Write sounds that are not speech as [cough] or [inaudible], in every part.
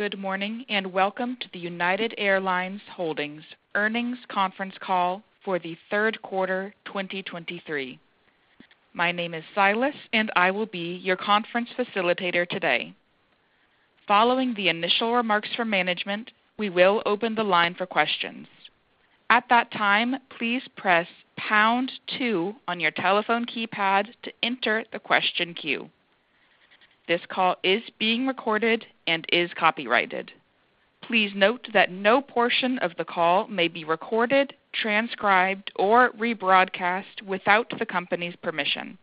Good morning, and welcome to the United Airlines Holdings Earnings Conference Call for the third quarter 2023. My name is Silas, and I will be your conference facilitator today. Following the initial remarks from management, we will open the line for questions. At that time, please press pound two on your telephone keypad to enter the question queue. This call is being recorded and is copyrighted. Please note that no portion of the call may be recorded, transcribed, or rebroadcast without the company's permission.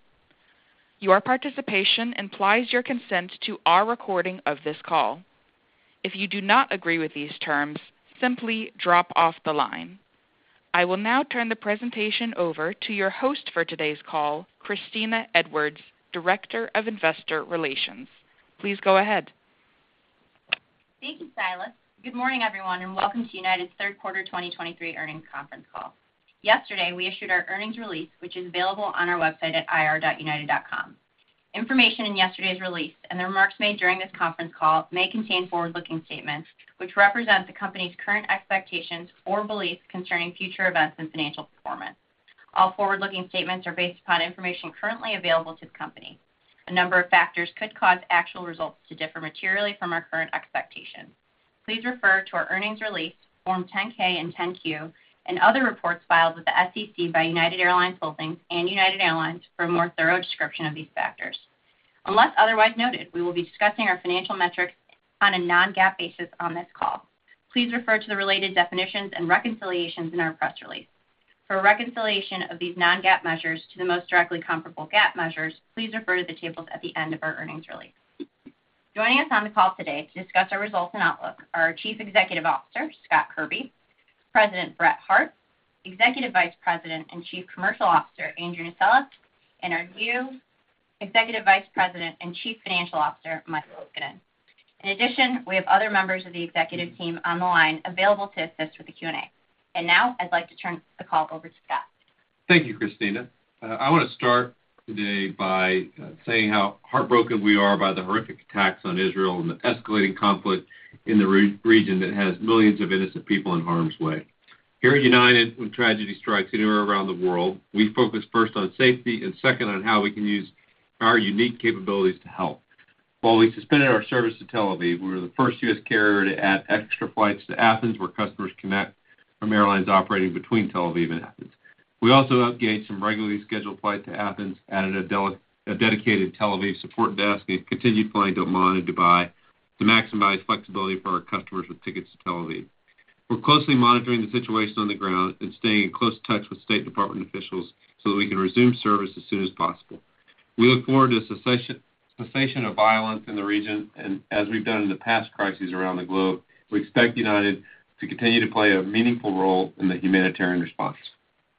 Your participation implies your consent to our recording of this call. If you do not agree with these terms, simply drop off the line. I will now turn the presentation over to your host for today's call, Kristina Edwards, Director of Investor Relations. Please go ahead. Thank you, Silas. Good morning, everyone, and welcome to United's third quarter 2023 earnings conference call. Yesterday, we issued our earnings release, which is available on our website at ir.united.com. Information in yesterday's release and the remarks made during this conference call may contain forward-looking statements, which represent the company's current expectations or beliefs concerning future events and financial performance. All forward-looking statements are based upon information currently available to the company. A number of factors could cause actual results to differ materially from our current expectations. Please refer to our earnings release, Form 10-K and 10-Q and other reports filed with the SEC by United Airlines Holdings and United Airlines for a more thorough description of these factors. Unless otherwise noted, we will be discussing our financial metrics on a non-GAAP basis on this call. Please refer to the related definitions and reconciliations in our press release. For a reconciliation of these non-GAAP measures to the most directly comparable GAAP measures, please refer to the tables at the end of our earnings release. Joining us on the call today to discuss our results and outlook are our Chief Executive Officer, Scott Kirby, President Brett Hart, Executive Vice President and Chief Commercial Officer, Andrew Nocella, and our new Executive Vice President and Chief Financial Officer, Mike Leskinen. In addition, we have other members of the executive team on the line available to assist with the Q&A. And now I'd like to turn the call over to Scott. Thank you, Kristina. I wanna start today by saying how heartbroken we are by the horrific attacks on Israel and the escalating conflict in the region that has millions of innocent people in harm's way. Here at United, when tragedy strikes anywhere around the world, we focus first on safety and second on how we can use our unique capabilities to help. While we suspended our service to Tel Aviv, we were the first U.S. carrier to add extra flights to Athens, where customers connect from airlines operating between Tel Aviv and Athens. We also upgauged some regularly scheduled flights to Athens, added a dedicated Tel Aviv support desk, and continued flying to Amman and Dubai to maximize flexibility for our customers with tickets to Tel Aviv. We're closely monitoring the situation on the ground and staying in close touch with State Department officials so that we can resume service as soon as possible. We look forward to the cessation of violence in the region, and as we've done in the past crises around the globe, we expect United to continue to play a meaningful role in the humanitarian response.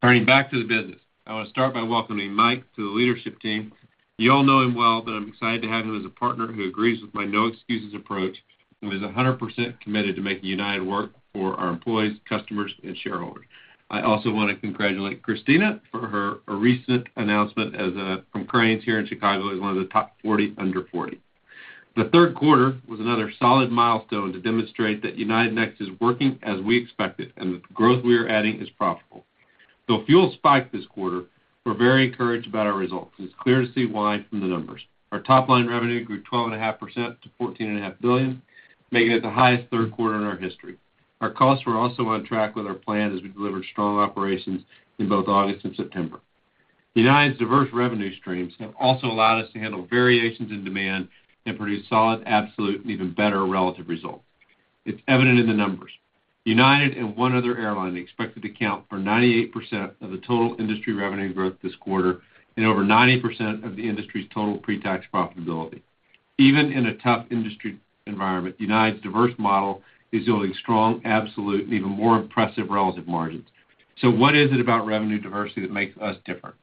Turning back to the business, I want to start by welcoming Mike to the leadership team. You all know him well, but I'm excited to have him as a partner who agrees with my no-excuses approach and is 100% committed to making United work for our employees, customers, and shareholders. I also want to congratulate Kristina for her recent announcement as one from Crain's here in Chicago as one of the top 40 Under 40. The third quarter was another solid milestone to demonstrate that United Next is working as we expected, and the growth we are adding is profitable. Though fuel spiked this quarter, we're very encouraged about our results, and it's clear to see why from the numbers. Our top-line revenue grew 12.5% to $14.5 billion, making it the highest third quarter in our history. Our costs were also on track with our plan as we delivered strong operations in both August and September. United's diverse revenue streams have also allowed us to handle variations in demand and produce solid, absolute, and even better relative results. It's evident in the numbers. United and one other airline are expected to account for 98% of the total industry revenue growth this quarter and over 90% of the industry's total pre-tax profitability. Even in a tough industry environment, United's diverse model is yielding strong, absolute, and even more impressive relative margins. So what is it about revenue diversity that makes us different?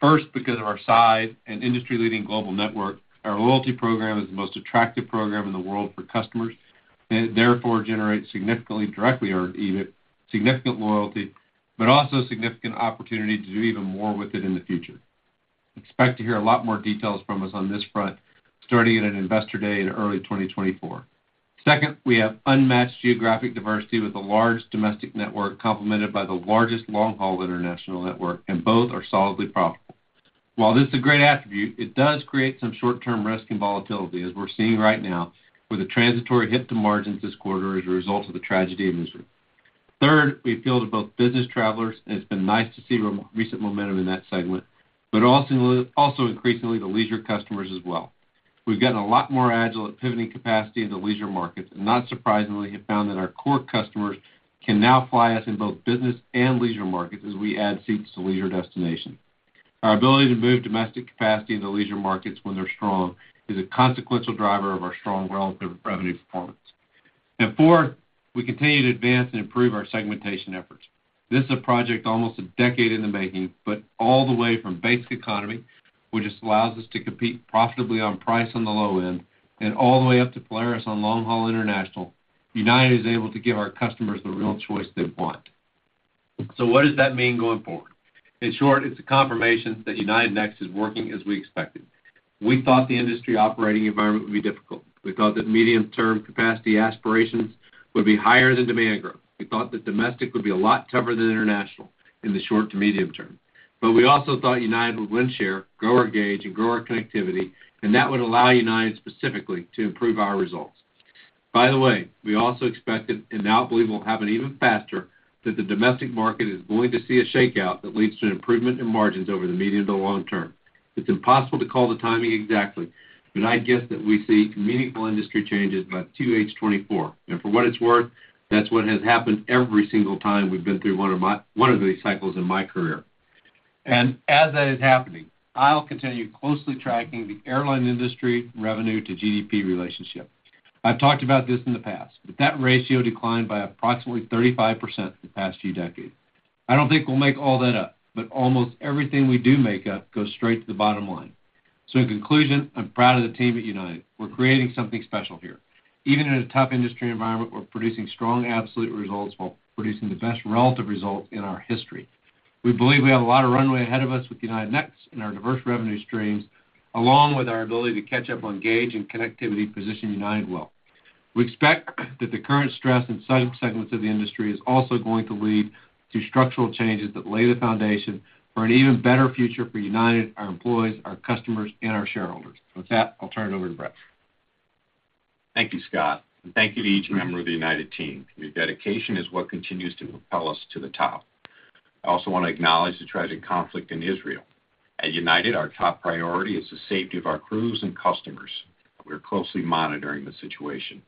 First, because of our size and industry-leading global network, our loyalty program is the most attractive program in the world for customers and therefore generates significantly directly, or even significant loyalty, but also significant opportunity to do even more with it in the future. Expect to hear a lot more details from us on this front, starting at an Investor Day in early 2024. Second, we have unmatched geographic diversity with a large domestic network, complemented by the largest long-haul international network, and both are solidly profitable. While this is a great attribute, it does create some short-term risk and volatility, as we're seeing right now, with a transitory hit to margins this quarter as a result of the tragedy in Israel. Third, we appeal to both business travelers, and it's been nice to see recent momentum in that segment, but also increasingly to leisure customers as well. We've gotten a lot more agile at pivoting capacity in the leisure markets, and not surprisingly, have found that our core customers can now fly us in both business and leisure markets as we add seats to leisure destinations. Our ability to move domestic capacity in the leisure markets when they're strong is a consequential driver of our strong relative revenue performance. And fourth, we continue to advance and improve our segmentation efforts. This is a project almost a decade in the making, but all the way from Basic Economy, which allows us to compete profitably on price on the low end and all the way up to Polaris on long-haul international, United is able to give our customers the real choice they want. So what does that mean going forward? In short, it's a confirmation that United Next is working as we expected. We thought the industry operating environment would be difficult. We thought that medium-term capacity aspirations would be higher than demand growth. We thought that domestic would be a lot tougher than international in the short to medium term. But we also thought United would win share, grow our gauge, and grow our connectivity, and that would allow United specifically to improve our results. By the way, we also expected, and now believe will happen even faster, that the domestic market is going to see a shakeout that leads to an improvement in margins over the medium to long term. It's impossible to call the timing exactly, but I'd guess that we see meaningful industry changes by 2H 2024. And for what it's worth, that's what has happened every single time we've been through one of these cycles in my career. And as that is happening, I'll continue closely tracking the airline industry revenue to GDP relationship. I've talked about this in the past, but that ratio declined by approximately 35% in the past few decades. I don't think we'll make all that up, but almost everything we do make up goes straight to the bottom line. So in conclusion, I'm proud of the team at United. We're creating something special here. Even in a tough industry environment, we're producing strong absolute results while producing the best relative results in our history. We believe we have a lot of runway ahead of us with United Next and our diverse revenue streams, along with our ability to catch up on gauge and connectivity, position United well. We expect that the current stress in some segments of the industry is also going to lead to structural changes that lay the foundation for an even better future for United, our employees, our customers, and our shareholders. With that, I'll turn it over to Brett. Thank you, Scott, and thank you to each member of the United team. Your dedication is what continues to propel us to the top. I also want to acknowledge the tragic conflict in Israel. At United, our top priority is the safety of our crews and customers, and we're closely monitoring the situation.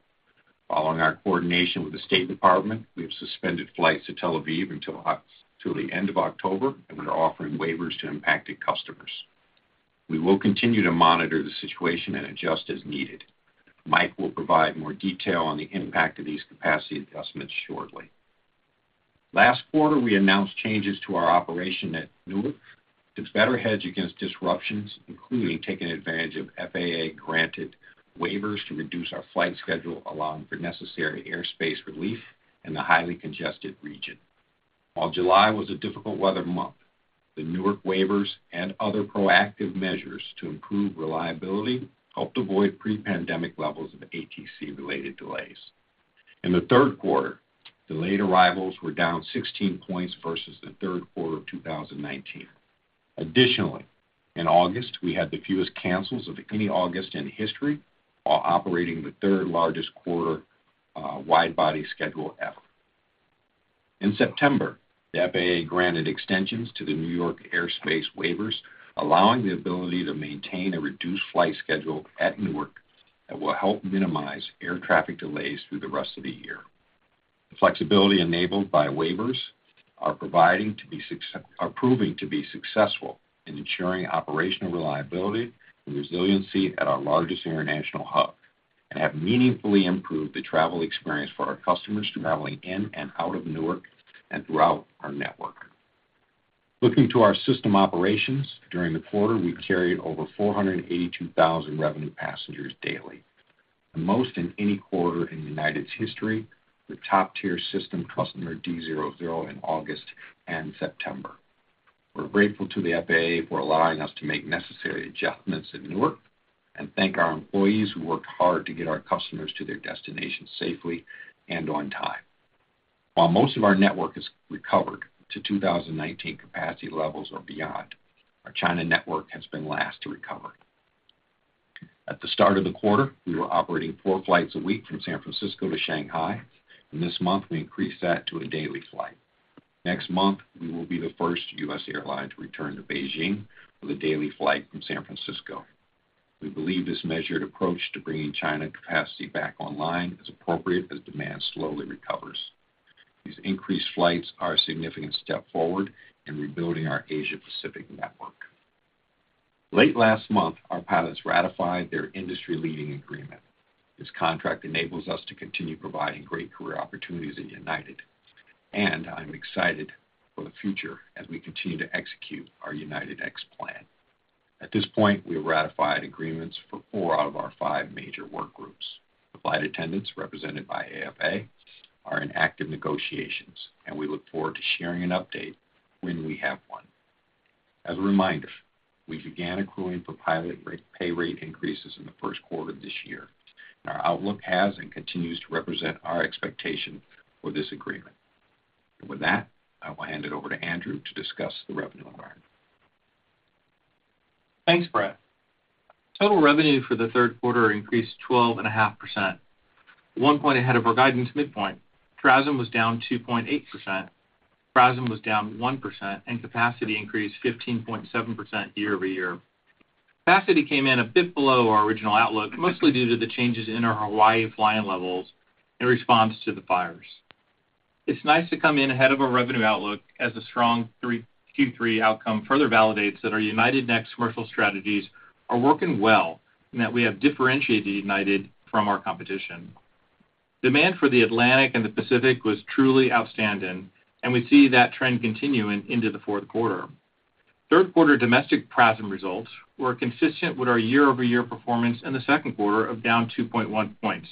Following our coordination with the State Department, we have suspended flights to Tel Aviv until the end of October, and we're offering waivers to impacted customers. We will continue to monitor the situation and adjust as needed. Mike will provide more detail on the impact of these capacity adjustments shortly. Last quarter, we announced changes to our operation at Newark to better hedge against disruptions, including taking advantage of FAA-granted waivers to reduce our flight schedule, allowing for necessary airspace relief in the highly congested region. While July was a difficult weather month, the Newark waivers and other proactive measures to improve reliability helped avoid pre-pandemic levels of ATC-related delays. In the third quarter, delayed arrivals were down 16 points versus the third quarter of 2019. Additionally, in August, we had the fewest cancels of any August in history, while operating the third-largest quarter, wide-body schedule ever. In September, the FAA granted extensions to the New York airspace waivers, allowing the ability to maintain a reduced flight schedule at Newark that will help minimize air traffic delays through the rest of the year. The flexibility enabled by waivers are proving to be successful in ensuring operational reliability and resiliency at our largest international hub, and have meaningfully improved the travel experience for our customers traveling in and out of Newark and throughout our network. Looking to our system operations, during the quarter, we carried over 482,000 revenue passengers daily, the most in any quarter in United's history, with top-tier system customer D0 in August and September. We're grateful to the FAA for allowing us to make necessary adjustments at Newark, and thank our employees who worked hard to get our customers to their destinations safely and on time. While most of our network is recovered to 2019 capacity levels or beyond, our China network has been last to recover. At the start of the quarter, we were operating four flights a week from San Francisco to Shanghai, and this month, we increased that to a daily flight. Next month, we will be the first U.S. airline to return to Beijing with a daily flight from San Francisco. We believe this measured approach to bringing China capacity back online is appropriate as demand slowly recovers. These increased flights are a significant step forward in rebuilding our Asia-Pacific network. Late last month, our pilots ratified their industry-leading agreement. This contract enables us to continue providing great career opportunities at United, and I'm excited for the future as we continue to execute our United Next plan. At this point, we have ratified agreements for four out of our five major workgroups. The flight attendants, represented by AFA, are in active negotiations, and we look forward to sharing an update when we have one. As a reminder, we began accruing for pilot pay rate increases in the first quarter of this year, and our outlook has and continues to represent our expectation for this agreement. With that, I will hand it over to Andrew to discuss the revenue environment. Thanks, Brett. Total revenue for the third quarter increased 12.5%, 1 point ahead of our guidance midpoint. TRASM was down 2.8%, PRASM was down 1%, and capacity increased 15.7% year-over-year. Capacity came in a bit below our original outlook, mostly due to the changes in our Hawaii flying levels in response to the fires. It's nice to come in ahead of our revenue outlook, as a strong Q3 outcome further validates that our United Next commercial strategies are working well and that we have differentiated United from our competition. Demand for the Atlantic and the Pacific was truly outstanding, and we see that trend continuing into the fourth quarter. Third quarter domestic PRASM results were consistent with our year-over-year performance in the second quarter of down 2.1 points.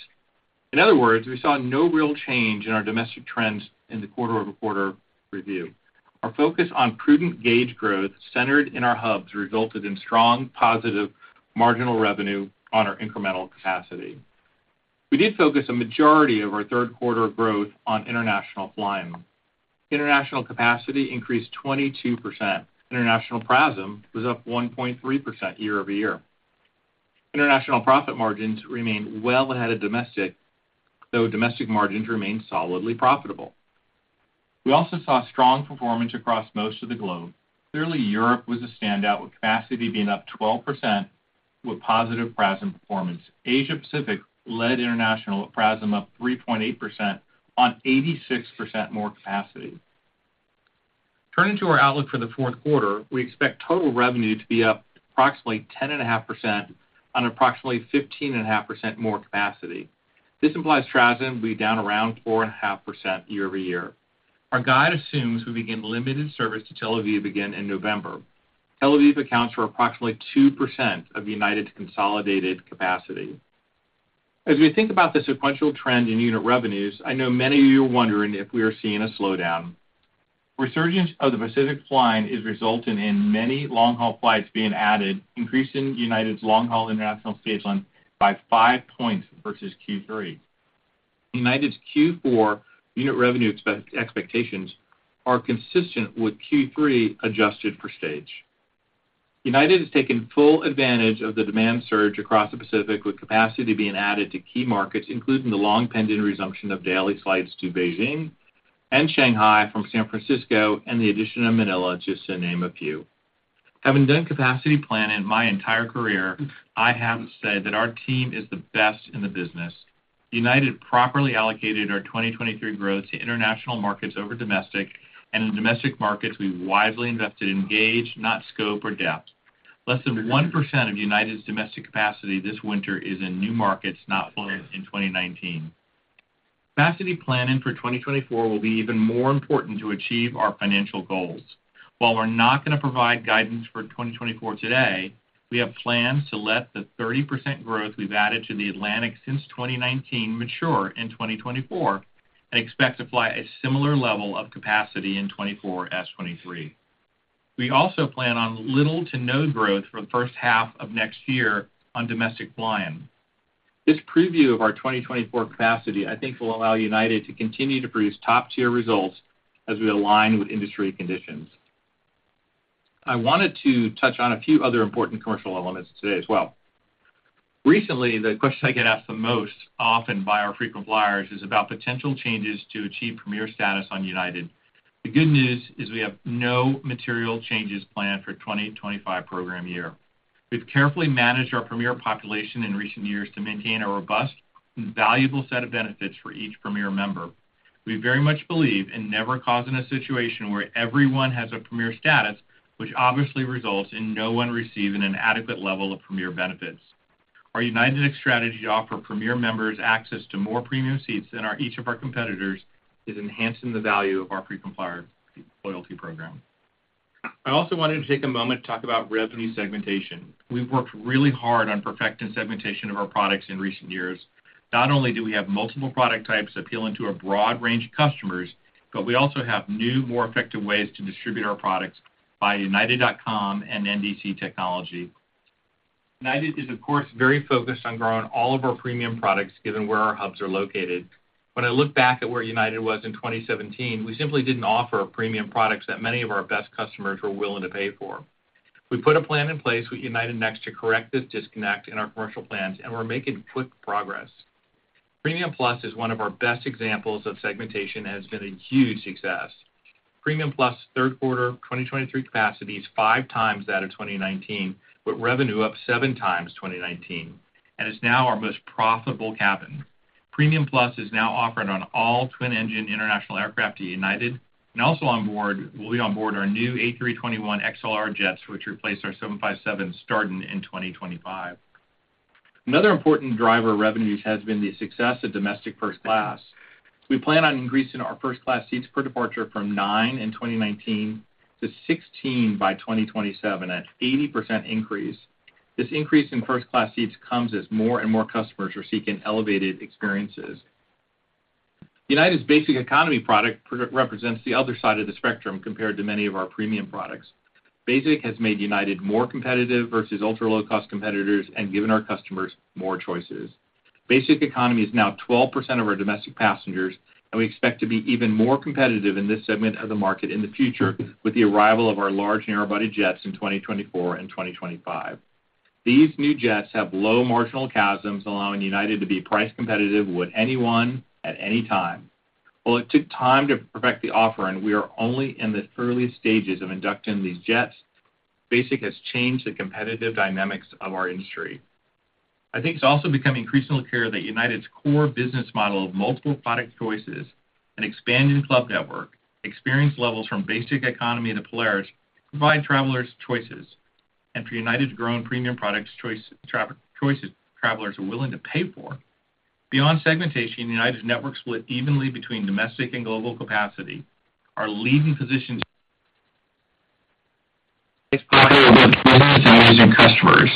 In other words, we saw no real change in our domestic trends in the quarter-over-quarter review. Our focus on prudent gauge growth centered in our hubs resulted in strong positive marginal revenue on our incremental capacity. We did focus a majority of our third quarter growth on international flying. International capacity increased 22%. International PRASM was up 1.3% year-over-year. International profit margins remained well ahead of domestic, though domestic margins remained solidly profitable. We also saw strong performance across most of the globe. Clearly, Europe was a standout, with capacity being up 12% with positive PRASM performance. Asia Pacific led international, with PRASM up 3.8% on 86% more capacity. Turning to our outlook for the fourth quarter, we expect total revenue to be up approximately 10.5% on approximately 15.5% more capacity. This implies TRASM will be down around 4.5% year-over-year. Our guide assumes we begin limited service to Tel Aviv again in November. Tel Aviv accounts for approximately 2% of United's consolidated capacity. As we think about the sequential trend in unit revenues, I know many of you are wondering if we are seeing a slowdown. Resurgence of the Pacific flying is resulting in many long-haul flights being added, increasing United's long-haul international stage length by 5 points versus Q3. United's Q4 unit revenue expectations are consistent with Q3, adjusted for stage. United has taken full advantage of the demand surge across the Pacific, with capacity being added to key markets, including the long-pending resumption of daily flights to Beijing and Shanghai from San Francisco, and the addition of Manila, just to name a few. Having done capacity planning my entire career, I have to say that our team is the best in the business. United properly allocated our 2023 growth to international markets over domestic, and in domestic markets, we've wisely invested in gauge, not scope or depth. Less than 1% of United's domestic capacity this winter is in new markets, not flown in 2019. Capacity planning for 2024 will be even more important to achieve our financial goals. While we're not gonna provide guidance for 2024 today, we have plans to let the 30% growth we've added to the Atlantic since 2019 mature in 2024, and expect to fly a similar level of capacity in 2024 as 2023. We also plan on little to no growth for the first half of next year on domestic flying. This preview of our 2024 capacity, I think, will allow United to continue to produce top-tier results as we align with industry conditions. I wanted to touch on a few other important commercial elements today as well. Recently, the question I get asked the most often by our frequent flyers is about potential changes to achieve Premier status on United. The good news is we have no material changes planned for 2025 program year. We've carefully managed our Premier population in recent years to maintain a robust and valuable set of benefits for each Premier member. We very much believe in never causing a situation where everyone has a Premier status, which obviously results in no one receiving an adequate level of Premier benefits. Our United Next strategy to offer Premier members access to more premium seats than each of our competitors is enhancing the value of our frequent flyer loyalty program. I also wanted to take a moment to talk about revenue segmentation. We've worked really hard on perfecting segmentation of our products in recent years. Not only do we have multiple product types appealing to a broad range of customers, but we also have new, more effective ways to distribute our products via united.com and NDC technology. United is, of course, very focused on growing all of our premium products, given where our hubs are located. When I look back at where United was in 2017, we simply didn't offer premium products that many of our best customers were willing to pay for. We put a plan in place with United Next to correct this disconnect in our commercial plans, and we're making quick progress. Premium Plus is one of our best examples of segmentation and has been a huge success. Premium Plus third quarter 2023 capacity is 5 times that of 2019, with revenue up 7 times 2019, and is now our most profitable cabin. Premium Plus is now offered on all twin-engine international aircraft to United, and also will be on board our new A321XLR jets, which replace our 757s starting in 2025. Another important driver of revenues has been the success of domestic first class. We plan on increasing our first-class seats per departure from 9 in 2019 to 16 by 2027, an 80% increase. This increase in first-class seats comes as more and more customers are seeking elevated experiences. United's Basic Economy product represents the other side of the spectrum compared to many of our premium products. Basic has made United more competitive versus ultra-low-cost competitors and given our customers more choices. Basic Economy is now 12% of our domestic passengers, and we expect to be even more competitive in this segment of the market in the future with the arrival of our large narrow-body jets in 2024 and 2025. These new jets have low marginal CASMs, allowing United to be price competitive with anyone at any time. While it took time to perfect the offering, we are only in the earliest stages of inducting these jets. Basic has changed the competitive dynamics of our industry. I think it's also becoming increasingly clear that United's core business model of multiple product choices, an expanding club network, experience levels from Basic Economy to Polaris, provide travelers choices. And for United's growing premium products, choices travelers are willing to pay for? Beyond segmentation, United's network split evenly between domestic and global capacity. Our leading positions [audio distortion] amazing customers.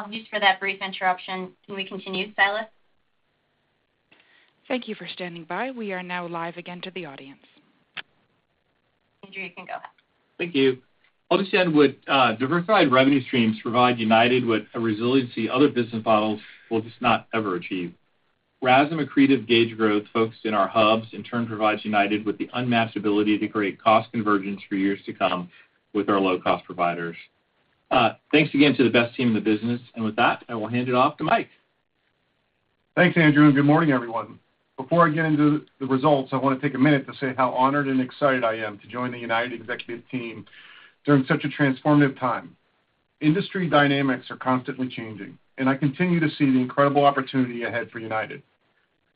Excuse for that brief interruption. Can we continue, Silas? Thank you for standing by. We are now live again to the audience. Andrew, you can go ahead. Thank you. I'll just end with, diversified revenue streams provide United with a resiliency other business models will just not ever achieve. RASM accretive gauge growth focused in our hubs, in turn, provides United with the unmatched ability to create cost convergence for years to come with our low-cost providers. Thanks again to the best team in the business, and with that, I will hand it off to Mike. Thanks, Andrew, and good morning, everyone. Before I get into the results, I wanna take a minute to say how honored and excited I am to join the United executive team during such a transformative time. Industry dynamics are constantly changing, and I continue to see the incredible opportunity ahead for United.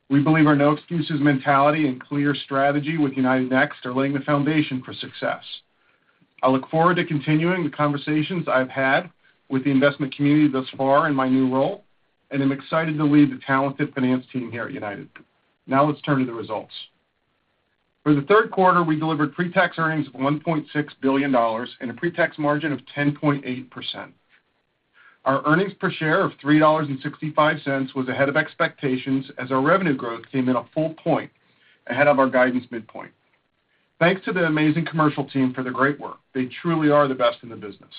We believe our no-excuses mentality and clear strategy with United Next are laying the foundation for success. I look forward to continuing the conversations I've had with the investment community thus far in my new role, and I'm excited to lead the talented finance team here at United. Now let's turn to the results. For the third quarter, we delivered pre-tax earnings of $1.6 billion and a pre-tax margin of 10.8%. Our earnings per share of $3.65 was ahead of expectations, as our revenue growth came in a full point ahead of our guidance midpoint. Thanks to the amazing commercial team for the great work. They truly are the best in the business.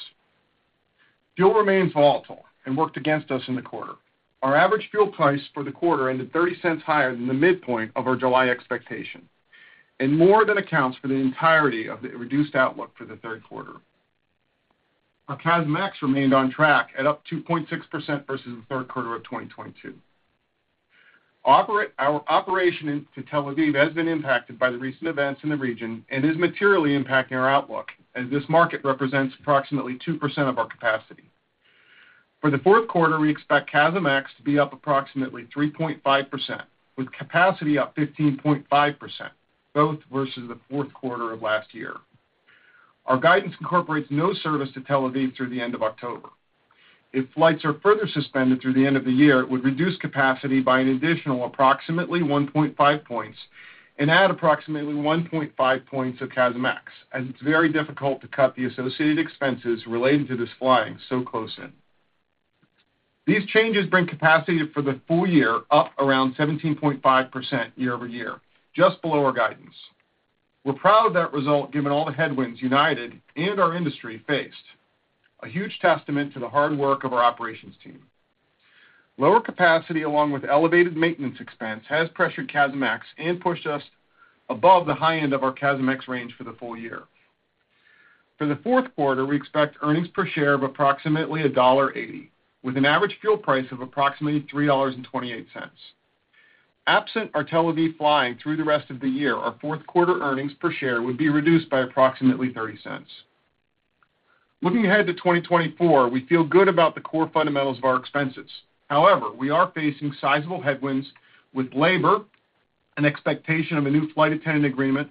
Fuel remains volatile and worked against us in the quarter. Our average fuel price for the quarter ended $0.30 higher than the midpoint of our July expectation, and more that accounts for the entirety of the reduced outlook for the third quarter. Our CASM-ex remained on track at up 2.6% versus the third quarter of 2022. Our operation into Tel Aviv has been impacted by the recent events in the region and is materially impacting our outlook, as this market represents approximately 2% of our capacity. For the fourth quarter, we expect CASM-ex to be up approximately 3.5%, with capacity up 15.5%, both versus the fourth quarter of last year. Our guidance incorporates no service to Tel Aviv through the end of October. If flights are further suspended through the end of the year, it would reduce capacity by an additional approximately 1.5 points and add approximately 1.5 points of CASM-ex, and it's very difficult to cut the associated expenses related to this flying so close in. These changes bring capacity for the full year up around 17.5% year-over-year, just below our guidance. We're proud of that result, given all the headwinds United and our industry faced, a huge testament to the hard work of our operations team. Lower capacity, along with elevated maintenance expense, has pressured CASM-ex and pushed us above the high end of our CASM-ex range for the full year. For the fourth quarter, we expect earnings per share of approximately $1.80, with an average fuel price of approximately $3.28. Absent our Tel Aviv flying through the rest of the year, our fourth quarter earnings per share would be reduced by approximately $0.30. Looking ahead to 2024, we feel good about the core fundamentals of our expenses. However, we are facing sizable headwinds with labor, an expectation of a new flight attendant agreement,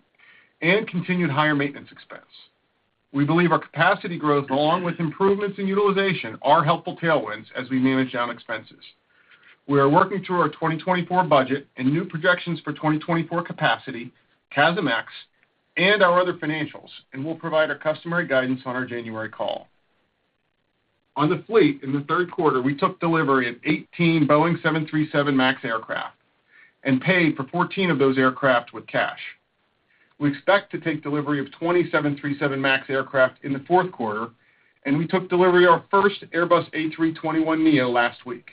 and continued higher maintenance expense. We believe our capacity growth, along with improvements in utilization, are helpful tailwinds as we manage down expenses. We are working through our 2024 budget and new projections for 2024 capacity, CASM-ex, and our other financials, and we'll provide our customary guidance on our January call. On the fleet in the third quarter, we took delivery of 18 Boeing 737 MAX aircraft and paid for 14 of those aircraft with cash. We expect to take delivery of 27 737 MAX aircraft in the fourth quarter, and we took delivery of our first Airbus A321neo last week.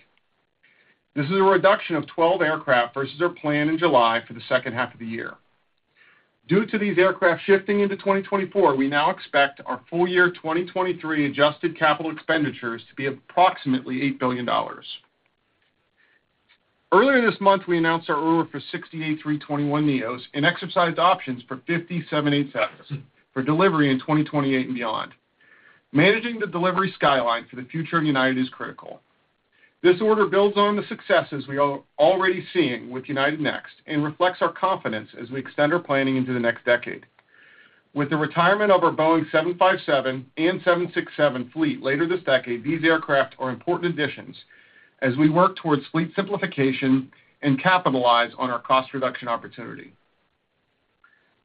This is a reduction of 12 aircraft versus our plan in July for the second half of the year. Due to these aircraft shifting into 2024, we now expect our full year 2023 adjusted capital expenditures to be approximately $8 billion. Earlier this month, we announced our order for 68 A321neos and exercised options for 57 787s for delivery in 2028 and beyond. Managing the delivery skyline for the future of United is critical. This order builds on the successes we are already seeing with United Next and reflects our confidence as we extend our planning into the next decade. With the retirement of our Boeing 757 and 767 fleet later this decade, these aircraft are important additions as we work towards fleet simplification and capitalize on our cost reduction opportunity.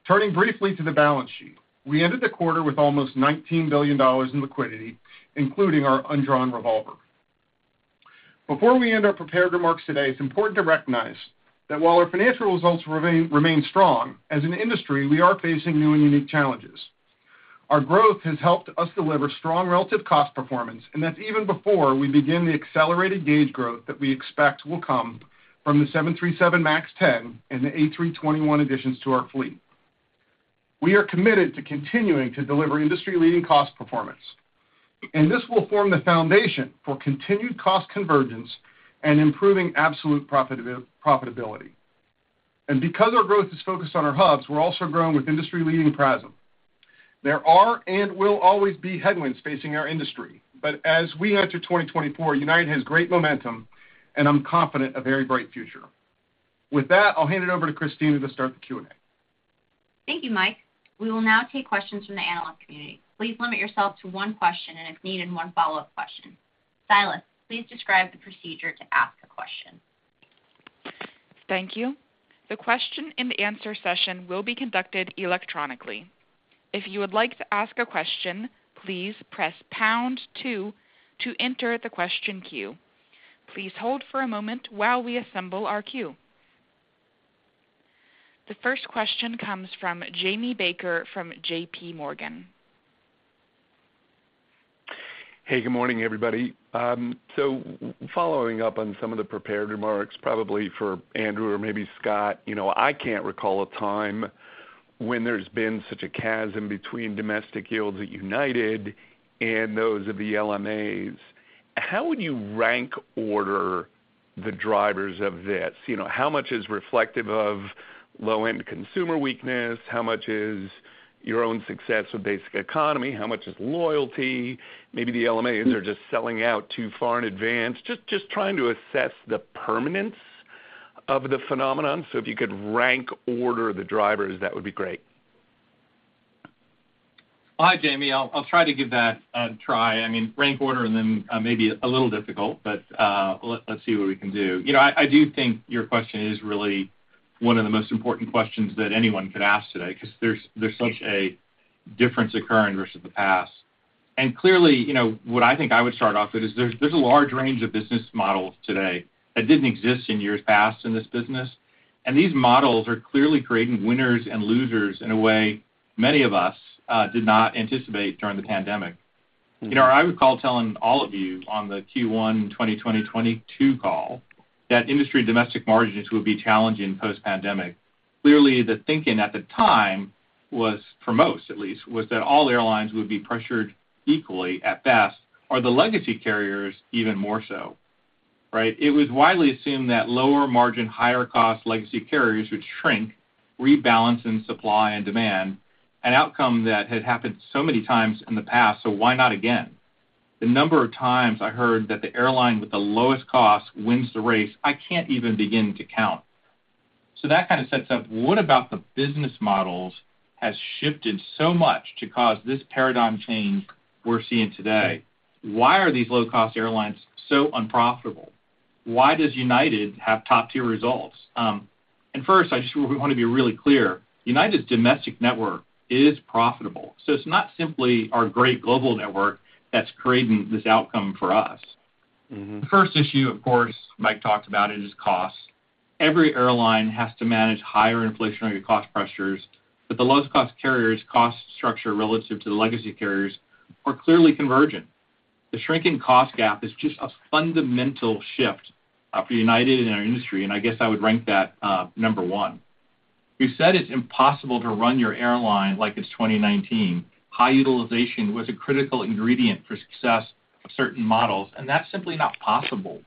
Turning briefly to the balance sheet. We ended the quarter with almost $19 billion in liquidity, including our undrawn revolver. Before we end our prepared remarks today, it's important to recognize that while our financial results remain strong, as an industry, we are facing new and unique challenges. Our growth has helped us deliver strong relative cost performance, and that's even before we begin the accelerated gauge growth that we expect will come from the 737 MAX 10 and the A321 additions to our fleet. We are committed to continuing to deliver industry-leading cost performance, and this will form the foundation for continued cost convergence and improving absolute profitability. And because our growth is focused on our hubs, we're also growing with industry-leading PRASM. There are and will always be headwinds facing our industry. But as we enter 2024, United has great momentum, and I'm confident, a very bright future. With that, I'll hand it over to Kristina to start the Q&A. Thank you, Mike. We will now take questions from the analyst community. Please limit yourself to one question and, if needed, one follow-up question. Silas, please describe the procedure to ask a question. Thank you. The question and the answer session will be conducted electronically. If you would like to ask a question, please press pound two to enter the question queue. Please hold for a moment while we assemble our queue. The first question comes from Jamie Baker from JPMorgan. Hey, good morning, everybody. So following up on some of the prepared remarks, probably for Andrew or maybe Scott, you know, I can't recall a time when there's been such a chasm between domestic yields at United and those of the LCCs. How would you rank order the drivers of this? You know, how much is reflective of low-end consumer weakness? How much is your own success with Basic Economy? How much is loyalty? Maybe the LCCs are just selling out too far in advance. Just, just trying to assess the permanence of the phenomenon. So if you could rank order the drivers, that would be great. Hi, Jamie. I'll try to give that a try. I mean, rank order them may be a little difficult, but let's see what we can do. You know, I do think your question is really one of the most important questions that anyone could ask today, because there's such a difference occurring versus the past. And clearly, you know, what I think I would start off with is there's a large range of business models today that didn't exist in years past in this business, and these models are clearly creating winners and losers in a way many of us did not anticipate during the pandemic. You know, I would call telling all of you on the Q1 2022 call that industry domestic margins would be challenging post-pandemic. Clearly, the thinking at the time was, for most at least, was that all airlines would be pressured equally at best, or the legacy carriers even more so, right? It was widely assumed that lower margin, higher cost legacy carriers would shrink, rebalancing supply and demand, an outcome that had happened so many times in the past, so why not again? The number of times I heard that the airline with the lowest cost wins the race, I can't even begin to count. So that kind of sets up, what about the business models has shifted so much to cause this paradigm change we're seeing today? Why are these low-cost airlines so unprofitable? Why does United have top-tier results? And first, I just want to be really clear, United's domestic network is profitable, so it's not simply our great global network that's creating this outcome for us. The first issue, of course, Mike talked about, it is costs. Every airline has to manage higher inflationary cost pressures, but the low-cost carriers' cost structure relative to the legacy carriers are clearly convergent. The shrinking cost gap is just a fundamental shift for United and our industry, and I guess I would rank that number one. We've said it's impossible to run your airline like it's 2019. High utilization was a critical ingredient for success of certain models, and that's simply not possible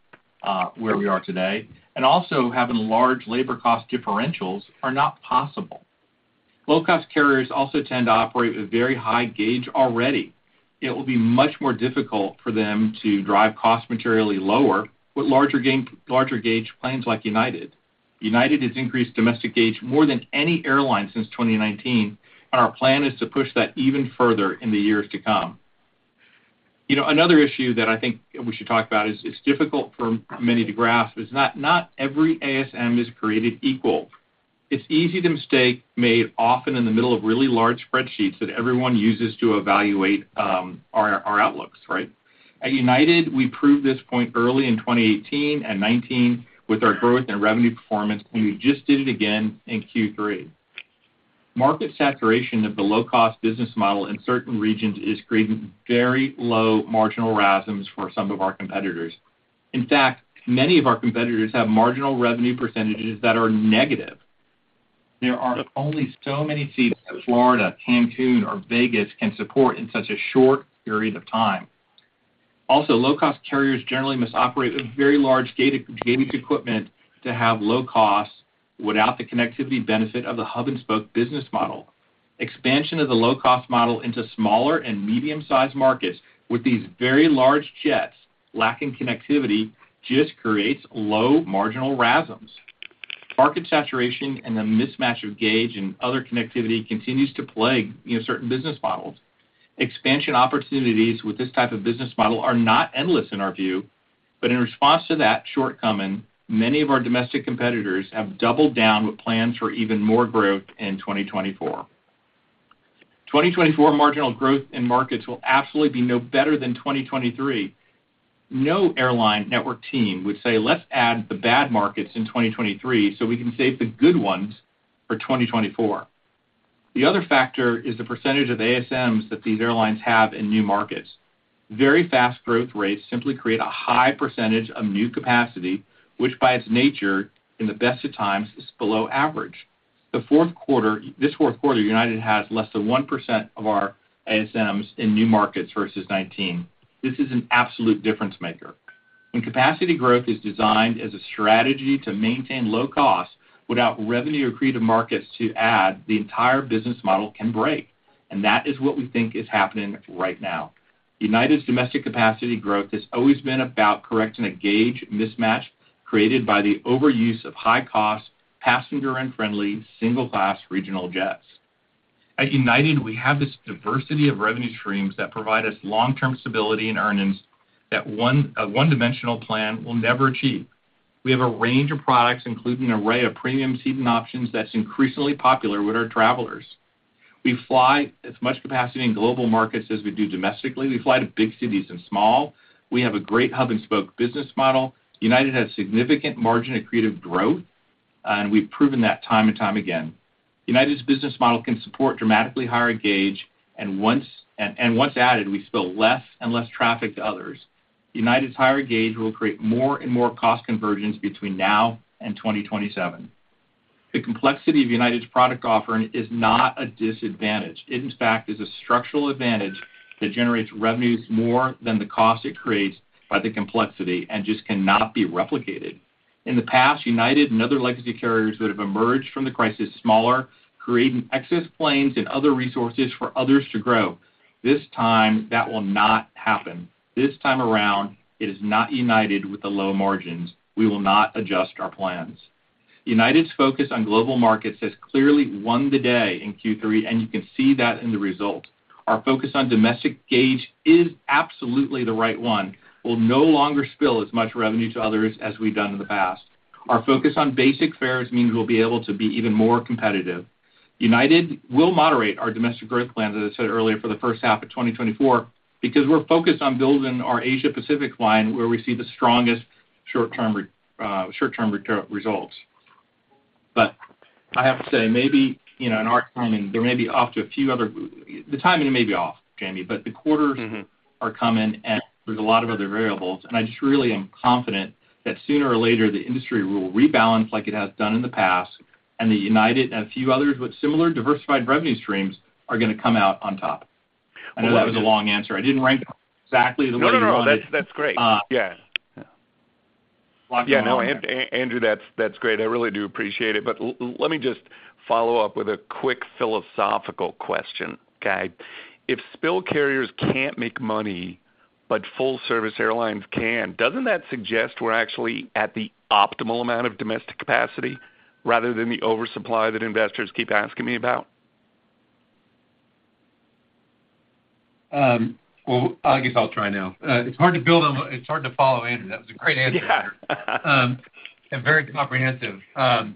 where we are today, and also having large labor cost differentials are not possible. Low-cost carriers also tend to operate with very high gauge already. It will be much more difficult for them to drive costs materially lower with larger gauge planes like United. United has increased domestic gauge more than any airline since 2019, and our plan is to push that even further in the years to come. You know, another issue that I think we should talk about is it's difficult for many to grasp, is not, not every ASM is created equal. It's easy to mistake made often in the middle of really large spreadsheets that everyone uses to evaluate, our, our outlooks, right? At United, we proved this point early in 2018 and 2019 with our growth and revenue performance, and we just did it again in Q3. Market saturation of the low-cost business model in certain regions is creating very low marginal RASMs for some of our competitors. In fact, many of our competitors have marginal revenue percentages that are negative. There are only so many seats that Florida, Cancun, or Vegas can support in such a short period of time. Also, low-cost carriers generally must operate with very large gauge equipment to have low costs without the connectivity benefit of the hub-and-spoke business model. Expansion of the low-cost model into smaller and medium-sized markets with these very large jets lacking connectivity just creates low marginal RASMs. Market saturation and the mismatch of gauge and other connectivity continues to plague, you know, certain business models. Expansion opportunities with this type of business model are not endless in our view, but in response to that shortcoming, many of our domestic competitors have doubled down with plans for even more growth in 2024. 2024 marginal growth in markets will absolutely be no better than 2023. No airline network team would say, "Let's add the bad markets in 2023 so we can save the good ones for 2024." The other factor is the percentage of ASMs that these airlines have in new markets. Very fast growth rates simply create a high percentage of new capacity, which by its nature, in the best of times, is below average. The fourth quarter, this fourth quarter, United has less than 1% of our ASMs in new markets versus 19%. This is an absolute difference maker. When capacity growth is designed as a strategy to maintain low costs without revenue accretive markets to add, the entire business model can break, and that is what we think is happening right now. United's domestic capacity growth has always been about correcting a gauge mismatch created by the overuse of high-cost, passenger-unfriendly, single-class regional jets. At United, we have this diversity of revenue streams that provide us long-term stability and earnings that a one-dimensional plan will never achieve. We have a range of products, including an array of premium seating options that's increasingly popular with our travelers. We fly as much capacity in global markets as we do domestically. We fly to big cities and small. We have a great hub-and-spoke business model. United has significant margin accretive growth, and we've proven that time and time again. United's business model can support dramatically higher gauge, and once added, we spill less and less traffic to others. United's higher gauge will create more and more cost convergence between now and 2027. The complexity of United's product offering is not a disadvantage. It, in fact, is a structural advantage that generates revenues more than the cost it creates by the complexity and just cannot be replicated. In the past, United and other legacy carriers that have emerged from the crisis smaller, creating excess planes and other resources for others to grow. This time, that will not happen. This time around, it is not United with the low margins. We will not adjust our plans. United's focus on global markets has clearly won the day in Q3, and you can see that in the result. Our focus on domestic gauge is absolutely the right one. We'll no longer spill as much revenue to others as we've done in the past. Our focus on basic fares means we'll be able to be even more competitive. United will moderate our domestic growth plans, as I said earlier, for the first half of 2024, because we're focused on building our Asia Pacific line, where we see the strongest short-term return results. But I have to say, maybe, you know, in our timing, there may be off to a few other. The timing may be off, Jamie, but the quarters are coming, and there's a lot of other variables, and I just really am confident that sooner or later, the industry will rebalance like it has done in the past, and the United and a few others with similar diversified revenue streams are gonna come out on top. I know that was a long answer. I didn't rank exactly the way you wanted. No, no, no. That's, that's great. Yeah. Yeah. Yeah. No, Andrew, that's great. I really do appreciate it, but let me just follow up with a quick philosophical question. Okay? If ULCCs can't make money, but full-service airlines can, doesn't that suggest we're actually at the optimal amount of domestic capacity rather than the oversupply that investors keep asking me about? Well, I guess I'll try now. It's hard to follow Andrew. That was a great answer. Yeah. And very comprehensive. And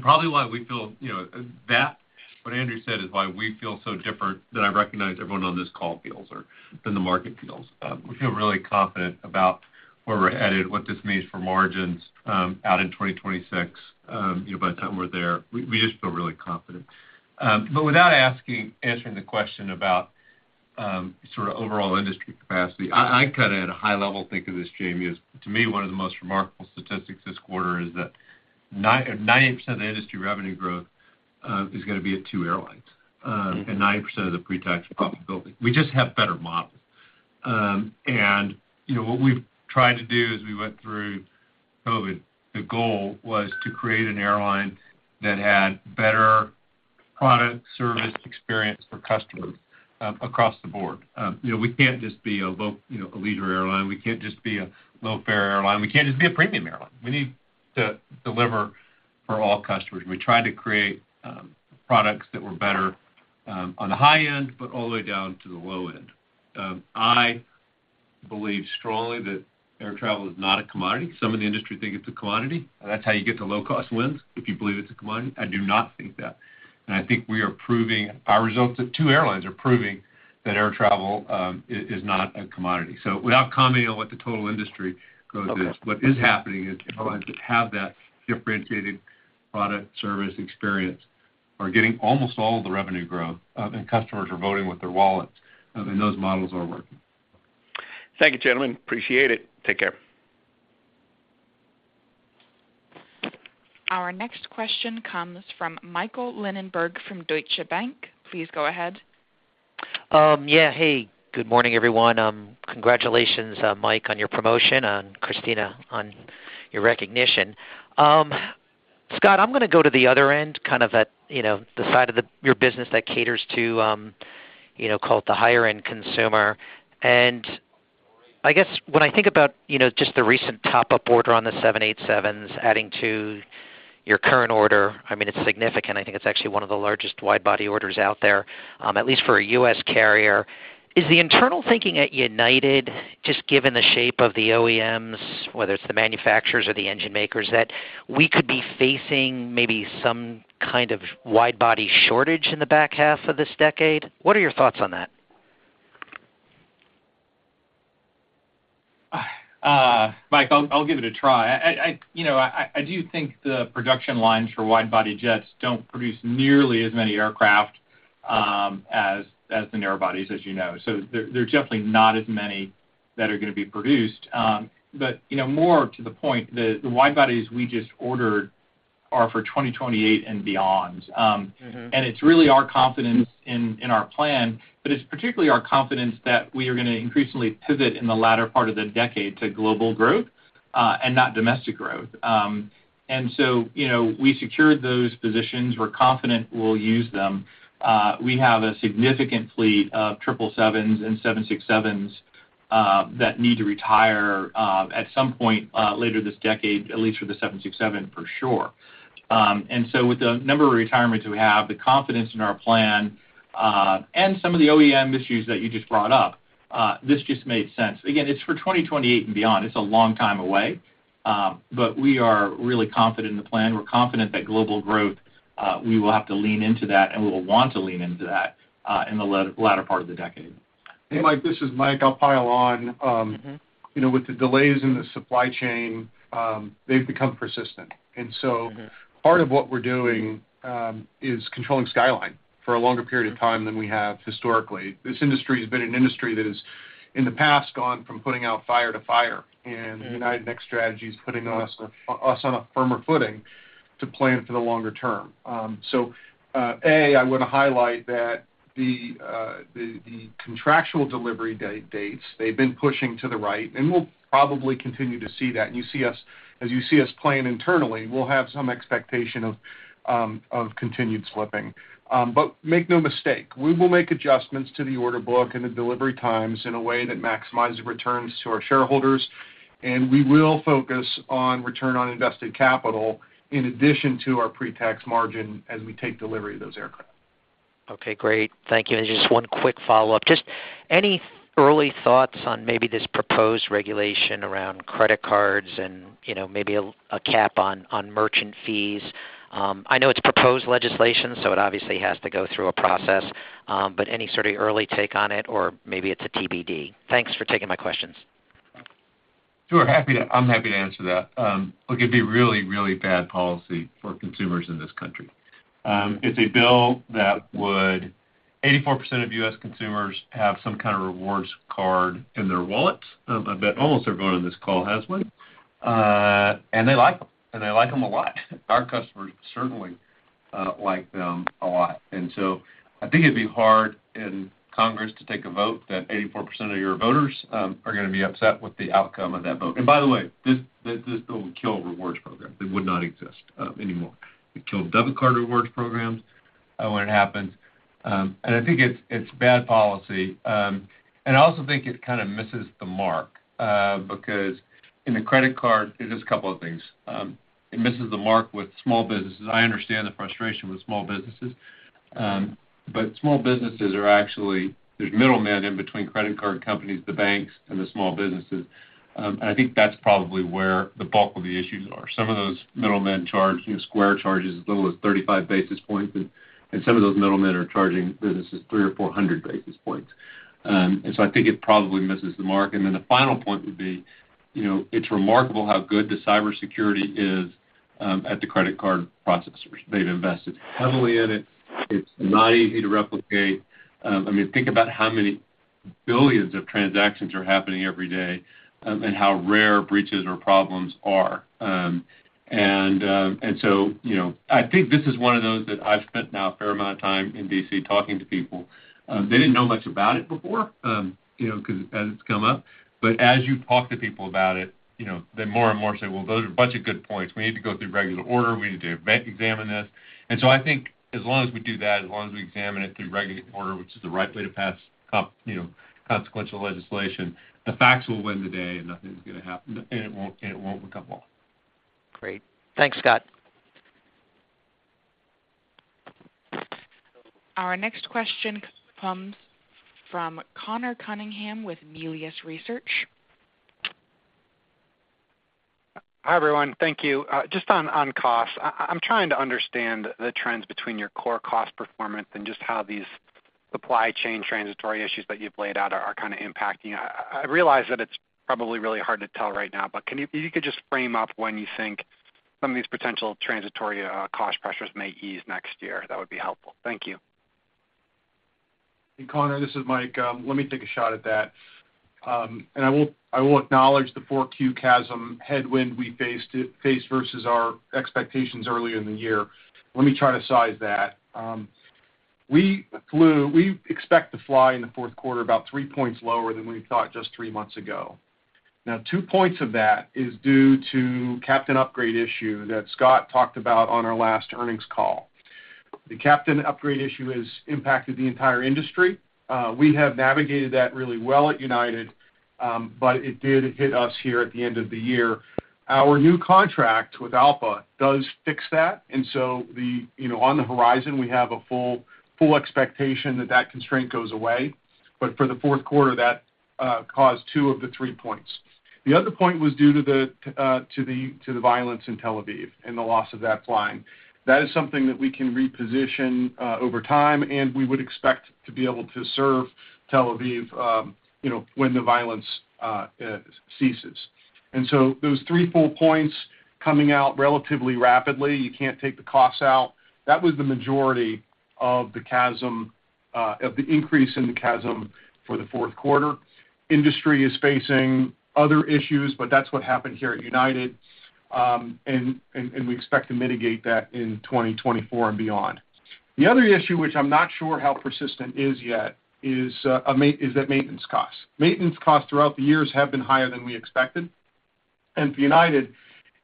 probably why we feel, you know, that, what Andrew said, is why we feel so different than I recognize everyone on this call feels or than the market feels. We feel really confident about where we're headed, what this means for margins, out in 2026, you know, by the time we're there. We just feel really confident. But without asking, answering the question about, sort of overall industry capacity, I kind of at a high level, think of this, Jamie, as, to me, one of the most remarkable statistics this quarter is that 98% of the industry revenue growth is gonna be at two airlines and 90% of the pre-tax profitability. We just have better models. And, you know, what we've tried to do as we went through COVID, the goal was to create an airline that had better product, service, experience for customers, across the board. You know, we can't just be a low, you know, a leisure airline. We can't just be a low-fare airline. We can't just be a premium airline. We need to deliver for all customers. We tried to create, products that were better, on the high end, but all the way down to the low end. I believe strongly that air travel is not a commodity. Some in the industry think it's a commodity, and that's how you get to low-cost wins, if you believe it's a commodity. I do not think that. And I think we are proving. Our results at UAL are proving that air travel is not a commodity. So without commenting on what the total industry growth is what is happening is I have that differentiated product, service, experience are getting almost all the revenue growth, and customers are voting with their wallets, and those models are working. Thank you, gentlemen. Appreciate it. Take care. Our next question comes from Michael Linenberg from Deutsche Bank. Please go ahead. Yeah. Hey, good morning, everyone. Congratulations, Mike, on your promotion, and Kristina, on your recognition. Scott, I'm gonna go to the other end, kind of at, you know, the side of the, your business that caters to, you know, call it the higher-end consumer. I guess when I think about, you know, just the recent top-up order on the 787s, adding to your current order, I mean, it's significant. I think it's actually one of the largest wide-body orders out there, at least for a U.S. carrier. Is the internal thinking at United, just given the shape of the OEMs, whether it's the manufacturers or the engine makers, that we could be facing maybe some kind of wide-body shortage in the back half of this decade? What are your thoughts on that? Mike, I'll give it a try. I do think the production lines for wide-body jets don't produce nearly as many aircraft as the narrow bodies, as you know, so there are definitely not as many that are gonna be produced. But, you know, more to the point, the wide-bodies we just ordered are for 2028 and beyond. And it's really our confidence in our plan, but it's particularly our confidence that we are gonna increasingly pivot in the latter part of the decade to global growth, and not domestic growth. And so, you know, we secured those positions. We're confident we'll use them. We have a significant fleet of triple sevens and seven six sevens that need to retire at some point later this decade, at least for the seven six seven, for sure. And so with the number of retirements we have, the confidence in our plan, and some of the OEM issues that you just brought up, this just made sense. Again, it's for 2028 and beyond. It's a long time away, but we are really confident in the plan. We're confident that global growth, we will have to lean into that, and we'll want to lean into that, in the latter part of the decade. Hey, Mike, this is Mike. I'll pile on. You know, with the delays in the supply chain, they've become persistent. And so part of what we're doing is controlling skyline for a longer period of time than we have historically. This industry has been an industry that has, in the past, gone from putting out fire to fire, and United Next strategy is putting us on a firmer footing to plan for the longer term. I wanna highlight that the contractual delivery dates, they've been pushing to the right, and we'll probably continue to see that. As you see us plan internally, we'll have some expectation of continued slipping. But make no mistake, we will make adjustments to the order book and the delivery times in a way that maximizes returns to our shareholders, and we will focus on return on invested capital, in addition to our pre-tax margin, as we take delivery of those aircraft. Okay, great. Thank you. Just one quick follow-up. Just any early thoughts on maybe this proposed regulation around credit cards and, you know, maybe a cap on merchant fees? I know it's proposed legislation, so it obviously has to go through a process, but any sort of early take on it, or maybe it's a TBD? Thanks for taking my questions. Sure. Happy to. I'm happy to answer that. Look, it'd be really, really bad policy for consumers in this country. It's a bill that would 84% of U.S. consumers have some kind of rewards card in their wallets. I bet almost everyone on this call has one, and they like them, and they like them a lot. Our customers certainly like them a lot. And so I think it'd be hard in Congress to take a vote that 84% of your voters are gonna be upset with the outcome of that vote. And by the way, this, this, this bill will kill rewards programs. They would not exist anymore. It killed debit card rewards programs when it happened. And I think it's, it's bad policy. And I also think it kind of misses the mark, because in the credit card, there's just a couple of things. It misses the mark with small businesses. I understand the frustration with small businesses, but small businesses are actually. There's middlemen in between credit card companies, the banks, and the small businesses. And I think that's probably where the bulk of the issues are. Some of those middlemen charge, you know, Square charges as little as 35 basis points, and some of those middlemen are charging businesses 300 or 400 basis points. And so I think it probably misses the mark. And then the final point would be, you know, it's remarkable how good the cybersecurity is at the credit card processors. They've invested heavily in it. It's not easy to replicate. I mean, think about how many billions of transactions are happening every day, and how rare breaches or problems are. And so, you know, I think this is one of those that I've spent now a fair amount of time in D.C. talking to people. They didn't know much about it before, you know, because as it's come up, but as you talk to people about it, you know, they more and more say: Well, those are a bunch of good points. We need to go through regular order. We need to examine this. And so I think as long as we do that, as long as we examine it through regulatory order, which is the right way to pass comp, you know, consequential legislation, the facts will win the day, and nothing's gonna happen, and it won't, and it won't become law. Great. Thanks, Scott. Our next question comes from Conor Cunningham with Melius Research. Hi, everyone. Thank you. Just on costs, I'm trying to understand the trends between your core cost performance and just how these supply chain transitory issues that you've laid out are kind of impacting. I realize that it's probably really hard to tell right now, but can you, if you could just frame up when you think some of these potential transitory cost pressures may ease next year, that would be helpful. Thank you. Hey, Conor, this is Mike. Let me take a shot at that. And I will acknowledge the 4Q CASM headwind we faced versus our expectations earlier in the year. Let me try to size that. We expect to fly in the fourth quarter about 3 points lower than we thought just three months ago. Now, two points of that is due to captain upgrade issue that Scott talked about on our last earnings call. The captain upgrade issue has impacted the entire industry. We have navigated that really well at United, but it did hit us here at the end of the year. Our new contract with ALPA does fix that, and so the, you know, on the horizon, we have a full, full expectation that that constraint goes away, but for the fourth quarter, that caused two of the three points. The other point was due to the violence in Tel Aviv and the loss of that flying. That is something that we can reposition over time, and we would expect to be able to serve Tel Aviv, you know, when the violence ceases. And so those three full points coming out relatively rapidly, you can't take the costs out. That was the majority of the CASM of the increase in the CASM for the fourth quarter. Industry is facing other issues, but that's what happened here at United. We expect to mitigate that in 2024 and beyond. The other issue, which I'm not sure how persistent is yet, is the maintenance cost. Maintenance costs throughout the years have been higher than we expected. And for United,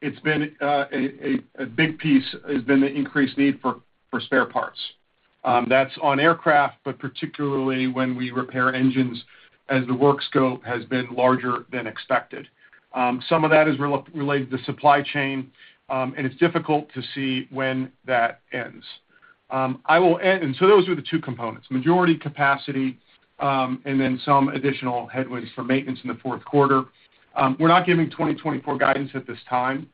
it's been a big piece has been the increased need for spare parts. That's on aircraft, but particularly when we repair engines as the work scope has been larger than expected. Some of that is related to supply chain, and it's difficult to see when that ends. And so those are the two components, majority capacity, and then some additional headwinds for maintenance in the fourth quarter. We're not giving 2024 guidance at this time.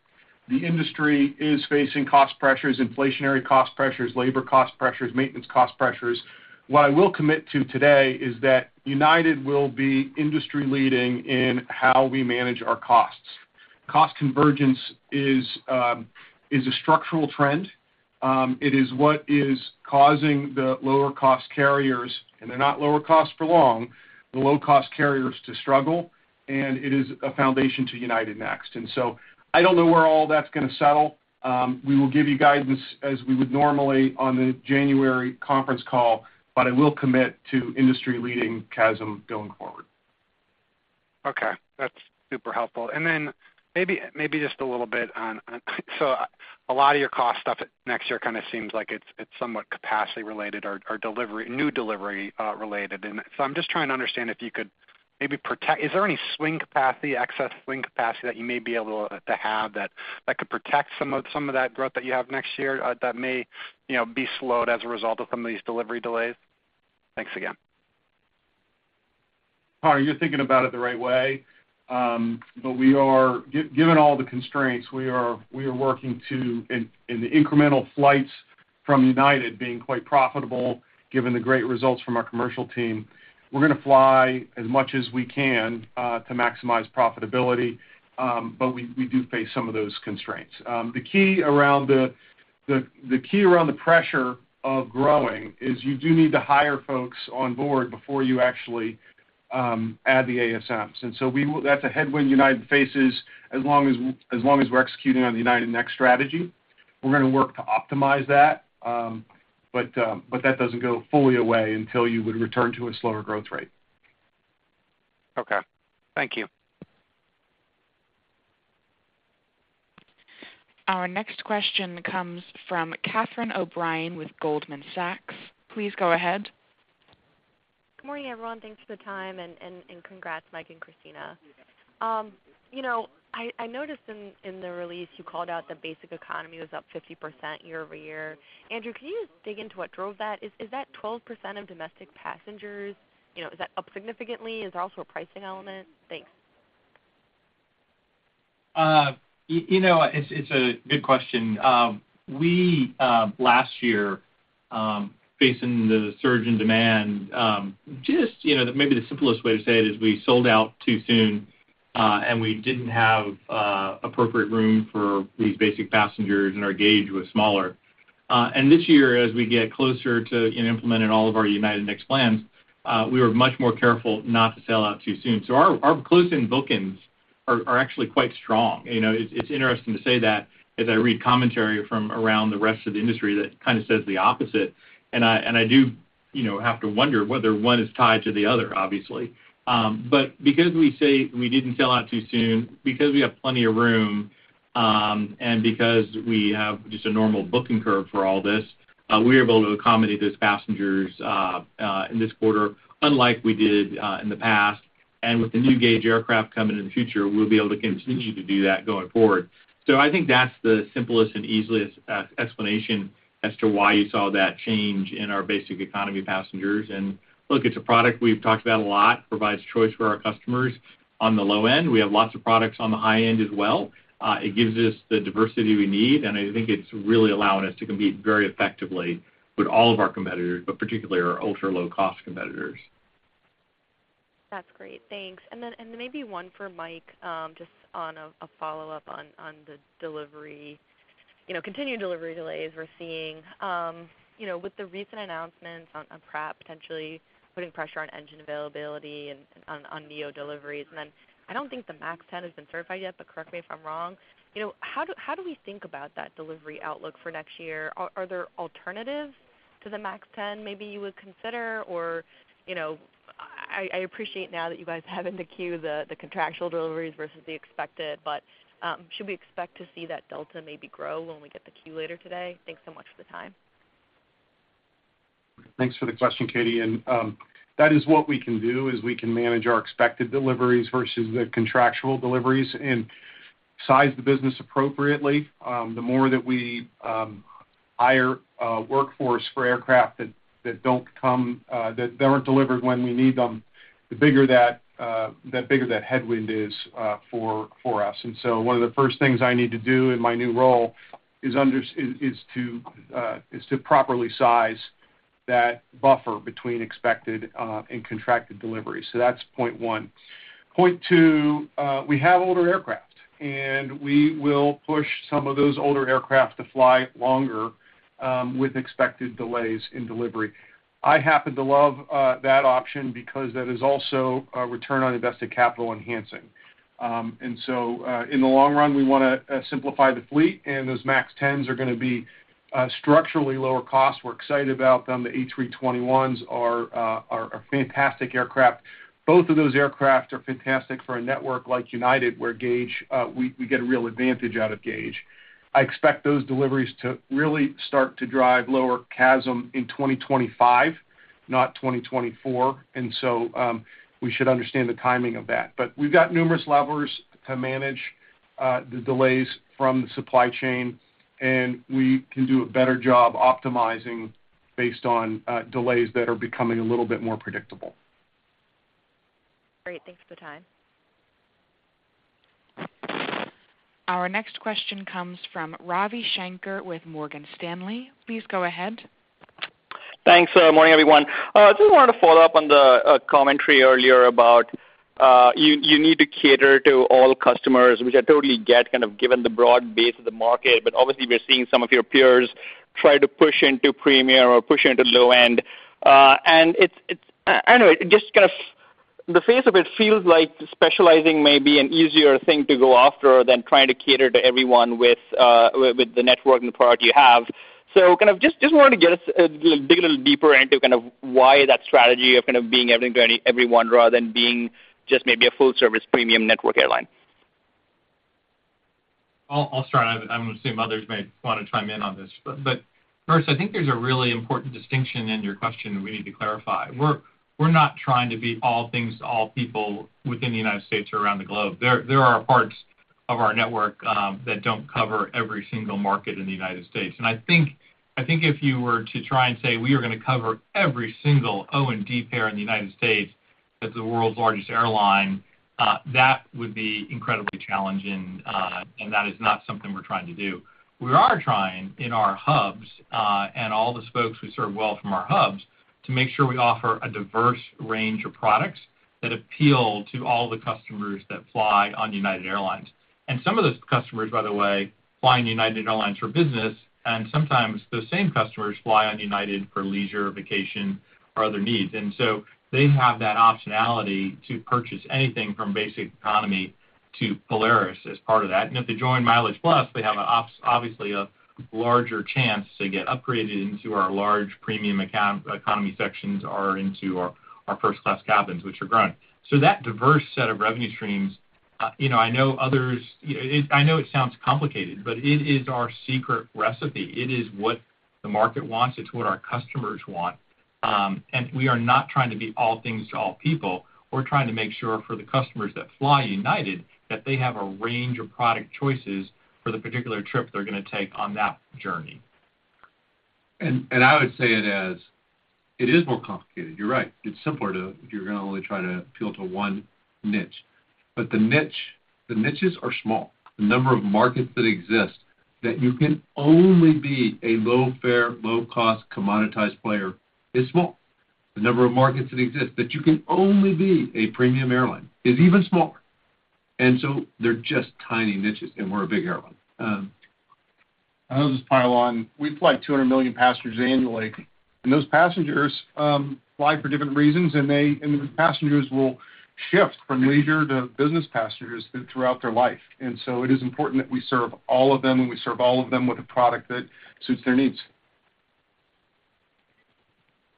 The industry is facing cost pressures, inflationary cost pressures, labor cost pressures, maintenance cost pressures. What I will commit to today is that United will be industry-leading in how we manage our costs. Cost convergence is a structural trend. It is what is causing the lower-cost carriers, and they're not lower cost for long, the low-cost carriers to struggle, and it is a foundation to United Next. And so I don't know where all that's gonna settle. We will give you guidance as we would normally on the January conference call, but I will commit to industry-leading CASM going forward. Okay, that's super helpful. And then maybe, maybe just a little bit on, on. So a lot of your cost stuff next year kind of seems like it's, it's somewhat capacity related or, or delivery, new delivery related. And so I'm just trying to understand if you could maybe protect. Is there any swing capacity, excess swing capacity that you may be able to have that, that could protect some of, some of that growth that you have next year, that may, you know, be slowed as a result of some of these delivery delays? Thanks again. Conor, you're thinking about it the right way. But we are given all the constraints, we are working to the incremental flights from United being quite profitable, given the great results from our commercial team, we're gonna fly as much as we can to maximize profitability, but we do face some of those constraints. The key around the pressure of growing is you do need to hire folks on board before you actually add the ASMs. That's a headwind United faces as long as we're executing on the United Next strategy. We're gonna work to optimize that, but that doesn't go fully away until you would return to a slower growth rate. Okay. Thank you. Our next question comes from Catherine O'Brien with Goldman Sachs. Please go ahead. Good morning, everyone. Thanks for the time, and congrats, Mike and Kristina. You know, I noticed in the release you called out the Basic Economy was up 50% year-over-year. Andrew, can you dig into what drove that? Is that 12% of domestic passengers? You know, is that up significantly? Is there also a pricing element? Thanks. You know, it's a good question. We last year, facing the surge in demand, just, you know, maybe the simplest way to say it is we sold out too soon, and we didn't have appropriate room for these basic passengers, and our gauge was smaller. And this year, as we get closer to implementing all of our United Next plans, we were much more careful not to sell out too soon. So our close-in bookings are actually quite strong. You know, it's interesting to say that as I read commentary from around the rest of the industry that kind of says the opposite. And I do, you know, have to wonder whether one is tied to the other, obviously. But because we say we didn't sell out too soon, because we have plenty of room, and because we have just a normal booking curve for all this, we are able to accommodate those passengers in this quarter, unlike we did in the past. And with the new gauge aircraft coming in the future, we'll be able to continue to do that going forward. So I think that's the simplest and easiest explanation as to why you saw that change in our Basic Economy passengers, and look, it's a product we've talked about a lot, provides choice for our customers on the low end. We have lots of products on the high end as well. It gives us the diversity we need, and I think it's really allowing us to compete very effectively with all of our competitors, but particularly our ultra-low-cost competitors. That's great. Thanks. And then, maybe one for Mike, just on a follow-up on the delivery. You know, continued delivery delays we're seeing with the recent announcements on Pratt potentially putting pressure on engine availability and on neo deliveries. And then I don't think the MAX 10 has been certified yet, but correct me if I'm wrong. You know, how do we think about that delivery outlook for next year? Are there alternatives to the MAX 10 maybe you would consider? Or, you know, I appreciate now that you guys have in the queue the contractual deliveries versus the expected, but should we expect to see that delta maybe grow when we get the queue later today? Thanks so much for the time. Thanks for the question, Katie. And, that is what we can do, is we can manage our expected deliveries versus the contractual deliveries and size the business appropriately. The more that we, hire a workforce for aircraft that, that don't come, that they weren't delivered when we need them, the bigger that, the bigger that headwind is, for, for us. And so one of the first things I need to do in my new role is to properly size that buffer between expected, and contracted delivery. So that's point one. Point two, we have older aircraft, and we will push some of those older aircraft to fly longer, with expected delays in delivery. I happen to love, that option because that is also a return on invested capital enhancing. And so, in the long run, we wanna simplify the fleet, and those MAX 10s are gonna be structurally lower cost. We're excited about them. The A321s are fantastic aircraft. Both of those aircraft are fantastic for a network like United, where gauge we get a real advantage out of gauge. I expect those deliveries to really start to drive lower CASM in 2025, not 2024, and so we should understand the timing of that. But we've got numerous levers to manage the delays from the supply chain, and we can do a better job optimizing based on delays that are becoming a little bit more predictable. Great. Thanks for the time. Our next question comes from Ravi Shanker with Morgan Stanley. Please go ahead. Thanks. Morning, everyone. Just wanted to follow up on the commentary earlier about you need to cater to all customers, which I totally get, kind of given the broad base of the market. But obviously, we're seeing some of your peers try to push into premium or push into low end. Anyway, just kind of the face of it feels like specializing may be an easier thing to go after than trying to cater to everyone with the network and the product you have. So kind of just wanted to get us dig a little deeper into kind of why that strategy of kind of being everything to everyone, rather than being just maybe a full-service premium network airline. I'll start, and I would assume others may wanna chime in on this. But first, I think there's a really important distinction in your question that we need to clarify. We're not trying to be all things to all people within the United States or around the globe. There are parts of our network that don't cover every single market in the United States. And I think if you were to try and say, "We are gonna cover every single O&D pair in the United States as the world's largest airline," that would be incredibly challenging, and that is not something we're trying to do. We are trying in our hubs and all the spokes we serve well from our hubs, to make sure we offer a diverse range of products that appeal to all the customers that fly on United Airlines. Some of those customers, by the way, fly on United Airlines for business, and sometimes those same customers fly on United for leisure, vacation, or other needs. So they have that optionality to purchase anything from Basic Economy to Polaris as part of that. If they join MileagePlus, they have obviously a larger chance to get upgraded into our large premium economy sections or into our first class cabins, which are growing. That diverse set of revenue streams, you know, I know others. I know it sounds complicated, but it is our secret recipe. It is what the market wants, it's what our customers want. We are not trying to be all things to all people. We're trying to make sure for the customers that fly United, that they have a range of product choices for the particular trip they're gonna take on that journey. I would say it is more complicated. You're right. It's simpler to if you're gonna only try to appeal to one niche. But the niches are small. The number of markets that exist, that you can only be a low-fare, low-cost, commoditized player is small. The number of markets that exist, that you can only be a premium airline, is even smaller. And so they're just tiny niches, and we're a big airline. I'll just pile on. We fly 200 million passengers annually, and those passengers fly for different reasons, and the passengers will shift from leisure to business passengers throughout their life. So it is important that we serve all of them, and we serve all of them with a product that suits their needs.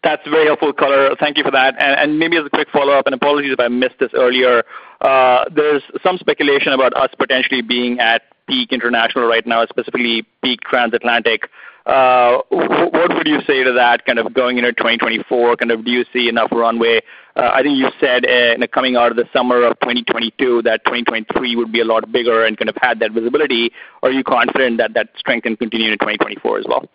That's very helpful color. Thank you for that. And maybe as a quick follow-up, and apologies if I missed this earlier, there's some speculation about us potentially being at peak international right now, specifically peak transatlantic. What would you say to that, kind of going into 2024? Kind of, do you see enough runway? I think you said, coming out of the summer of 2022, that 2023 would be a lot bigger and kind of had that visibility. Are you confident that that strength can continue in 2024 as well?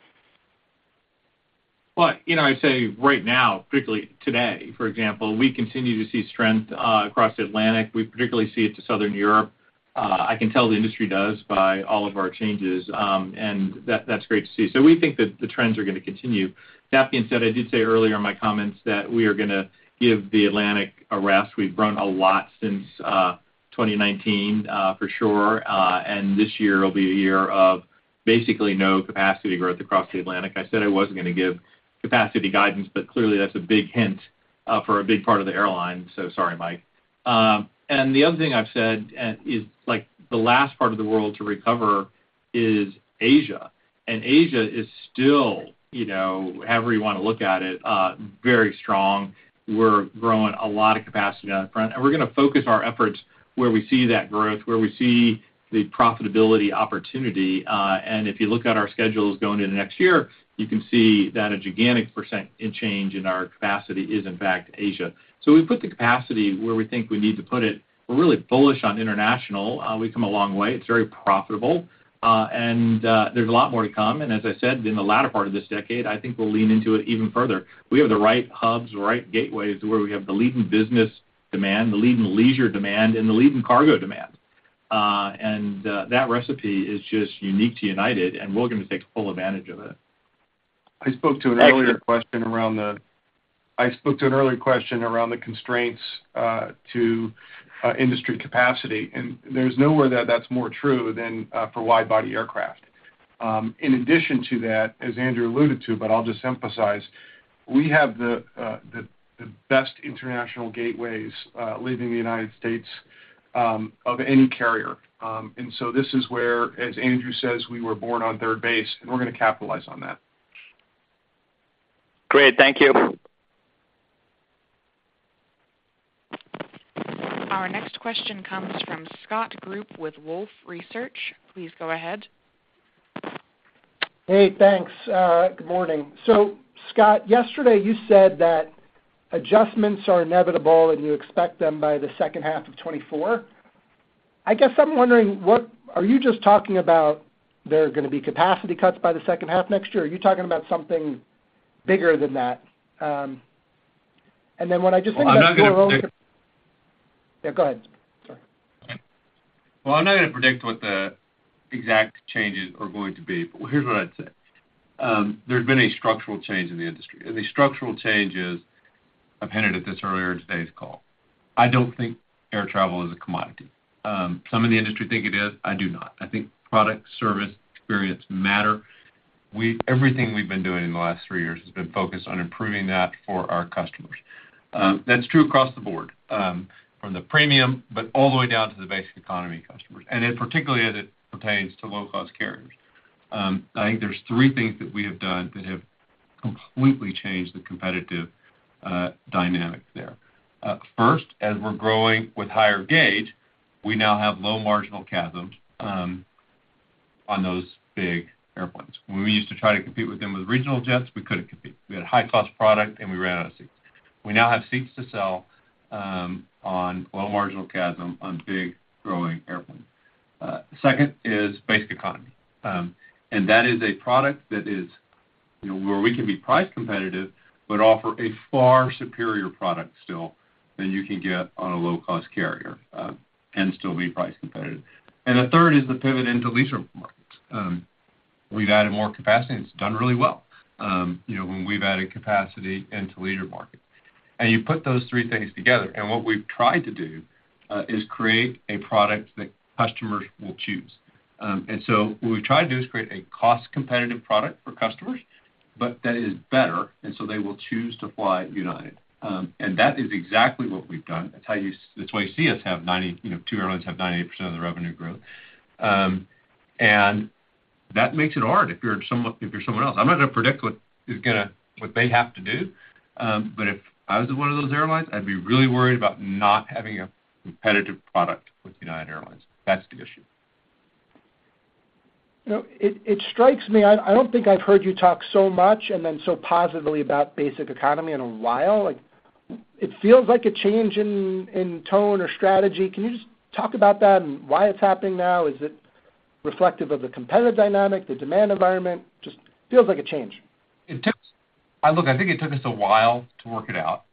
Well, you know, I'd say right now, particularly today, for example, we continue to see strength across the Atlantic. We particularly see it to Southern Europe. I can tell the industry does by all of our changes, and that, that's great to see. So we think that the trends are gonna continue. That being said, I did say earlier in my comments that we are gonna give the Atlantic a rest. We've grown a lot since 2019, for sure, and this year will be a year of basically no capacity growth across the Atlantic. I said I wasn't gonna give capacity guidance, but clearly, that's a big hint for a big part of the airline, so sorry, Mike. And the other thing I've said, and is like the last part of the world to recover is Asia, and Asia is still, you know, however you wanna look at it, very strong. We're growing a lot of capacity on that front, and we're gonna focus our efforts where we see that growth, where we see the profitability opportunity, and if you look at our schedules going into next year, you can see that a gigantic percent in change in our capacity is, in fact, Asia. So we've put the capacity where we think we need to put it. We're really bullish on international. We've come a long way. It's very profitable, and, there's a lot more to come. And as I said, in the latter part of this decade, I think we'll lean into it even further. We have the right hubs, the right gateways, where we have the leading business demand, the leading leisure demand, and the leading cargo demand. That recipe is just unique to United, and we're gonna take full advantage of it. I spoke to an earlier question around the constraints to industry capacity, and there's nowhere that that's more true than for wide-body aircraft. In addition to that, as Andrew alluded to, but I'll just emphasize, we have the best international gateways leaving the United States of any carrier. And so this is where, as Andrew says, we were born on third base, and we're gonna capitalize on that. Great. Thank you. Our next question comes from Scott Group with Wolfe Research. Please go ahead. Hey, thanks. Good morning. So Scott, yesterday you said that adjustments are inevitable, and you expect them by the second half of 2024. I guess I'm wondering, what are you just talking about there are gonna be capacity cuts by the second half next year, or are you talking about something bigger than that? And then what I just think is more [crosstalk] Yeah, go ahead. Sorry. Well, I'm not gonna predict what the exact changes are going to be, but here's what I'd say: there's been a structural change in the industry, and the structural change is, I've hinted at this earlier in today's call. I don't think air travel is a commodity. Some in the industry think it is, I do not. I think product, service, experience matter. Everything we've been doing in the last three years has been focused on improving that for our customers. That's true across the board, from the premium, but all the way down to the Basic Economy customers, and in particularly, as it pertains to low-cost carriers. I think there's three things that we have done that have completely changed the competitive dynamic there. First, as we're growing with higher gauge, we now have low marginal CASMs on those big airplanes. When we used to try to compete with them with regional jets, we couldn't compete. We had a high-cost product, and we ran out of seats. We now have seats to sell on low marginal CASM on big, growing airplanes. Second is Basic Economy. And that is a product that is, you know, where we can be price competitive, but offer a far superior product still than you can get on a low-cost carrier, and still be price competitive. And the third is the pivot into leisure markets. We've added more capacity, and it's done really well, you know, when we've added capacity into leisure markets. You put those three things together, and what we've tried to do is create a product that customers will choose. And so what we've tried to do is create a cost-competitive product for customers, but that is better, and so they will choose to fly United. And that is exactly what we've done. That's why you see us have 90, you know, two airlines have 98% of the revenue growth. And that makes it hard if you're someone, if you're someone else. I'm not gonna predict what they have to do, but if I was in one of those airlines, I'd be really worried about not having a competitive product with United Airlines. That's the issue. You know, it strikes me. I don't think I've heard you talk so much and then so positively about Basic Economy in a while. Like, it feels like a change in tone or strategy. Can you just talk about that and why it's happening now? Is it reflective of the competitive dynamic, the demand environment? Just feels like a change. Look, I think it took us a while to work it out.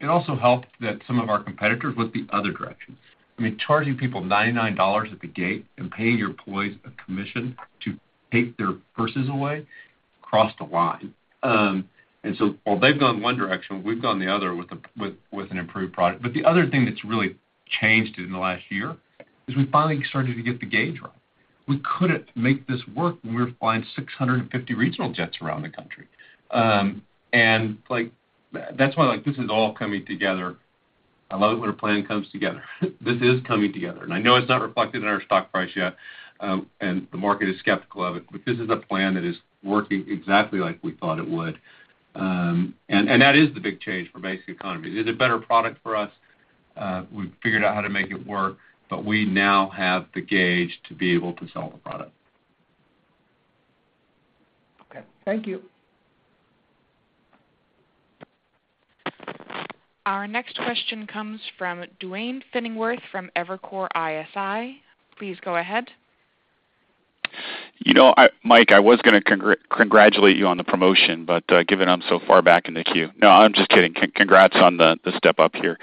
It also helped that some of our competitors went the other directions. I mean, charging people $99 at the gate and paying your employees a commission to take their purses away crossed the line. And so while they've gone one direction, we've gone the other with an improved product. But the other thing that's really changed in the last year is we finally started to get the gauge right. We couldn't make this work when we were flying 650 regional jets around the country. And like, that's why, like, this is all coming together. I love it when a plan comes together. This is coming together, and I know it's not reflected in our stock price yet, and the market is skeptical of it, but this is a plan that is working exactly like we thought it would. And that is the big change for Basic Economy. It is a better product for us. We've figured out how to make it work, but we now have the gauge to be able to sell the product. Okay. Thank you. Our next question comes from Duane Pfennigwerth from Evercore ISI. Please go ahead. You know, Mike, I was going to congratulate you on the promotion, but given I'm so far back in the queue. No, I'm just kidding. Congrats on the step up here.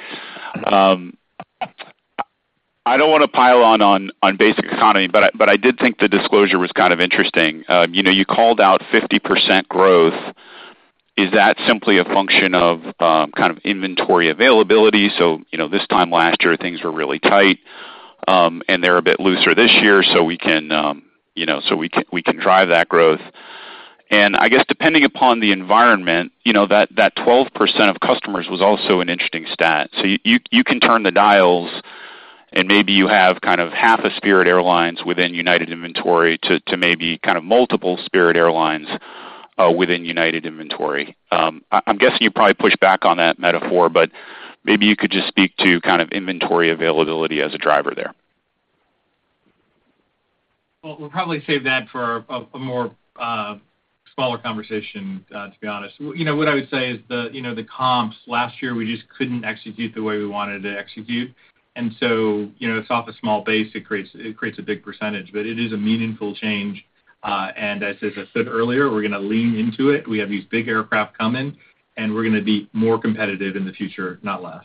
I don't want to pile on Basic Economy, but I did think the disclosure was kind of interesting. You know, you called out 50% growth. Is that simply a function of kind of inventory availability? So, you know, this time last year, things were really tight, and they're a bit looser this year, so we can drive that growth. And I guess depending upon the environment, you know, that 12% of customers was also an interesting stat. So you can turn the dials, and maybe you have kind of half a Spirit Airlines within United inventory to maybe kind of multiple Spirit Airlines within United inventory. I'm guessing you probably push back on that metaphor, but maybe you could just speak to kind of inventory availability as a driver there. Well, we'll probably save that for a more smaller conversation, to be honest. You know, what I would say is you know, the comps last year, we just couldn't execute the way we wanted to execute. And so, you know, it's off a small base, it creates a big percentage, but it is a meaningful change. And as I said earlier, we're going to lean into it. We have these big aircraft coming, and we're going to be more competitive in the future, not less.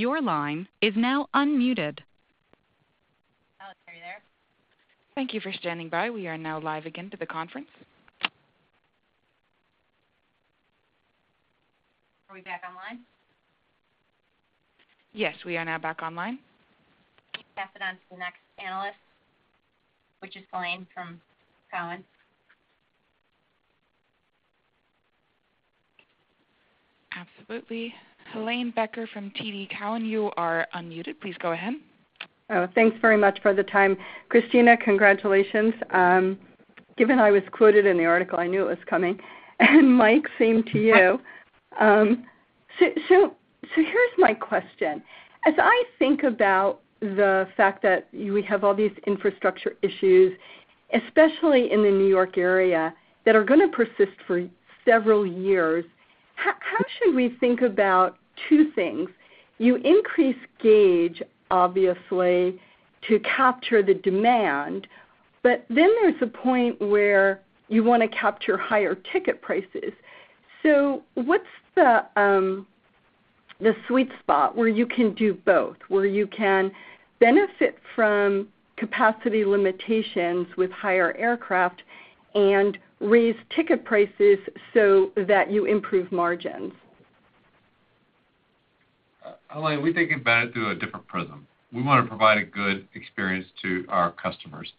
Your line is now unmuted. Alex, are you there? Thank you for standing by. We are now live again to the conference. Are we back online? Yes, we are now back online. Pass it on to the next analyst, which is Helane from TD Cowen. Absolutely. Helane Becker from TD Cowen, you are unmuted. Please go ahead. Oh, thanks very much for the time. Kristina, congratulations. Given I was quoted in the article, I knew it was coming. And Mike, same to you. So here's my question: As I think about the fact that we have all these infrastructure issues, especially in the New York area, that are gonna persist for several years, how should we think about two things? You increase gauge, obviously, to capture the demand, but then there's a point where you wanna capture higher ticket prices. So what's the sweet spot where you can do both, where you can benefit from capacity limitations with higher aircraft and raise ticket prices so that you improve margins? Helane, we think about it through a different prism. We wanna provide a good experience to our customers.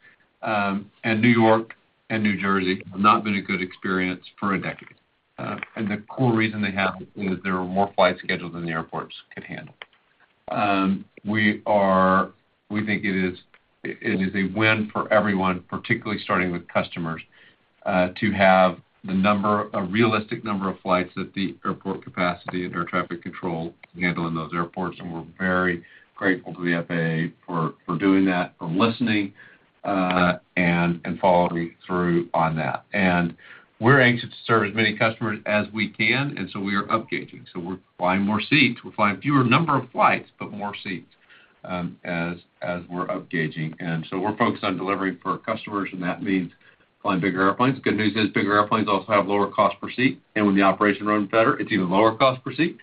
And New York and New Jersey have not been a good experience for a decade. And the core reason they haven't is there are more flights scheduled than the airports could handle. We think it is a win for everyone, particularly starting with customers, to have a realistic number of flights that the airport capacity and air traffic control can handle in those airports, and we're very grateful to the FAA for doing that, for listening, and following through on that. And we're anxious to serve as many customers as we can, and so we are upgauging. So we're flying more seats. We're flying fewer number of flights, but more seats, as we're upgauging. And so we're focused on delivering for our customers, and that means flying bigger airplanes. The good news is bigger airplanes also have lower cost per seat, and when the operation runs better, it's even lower cost per seat,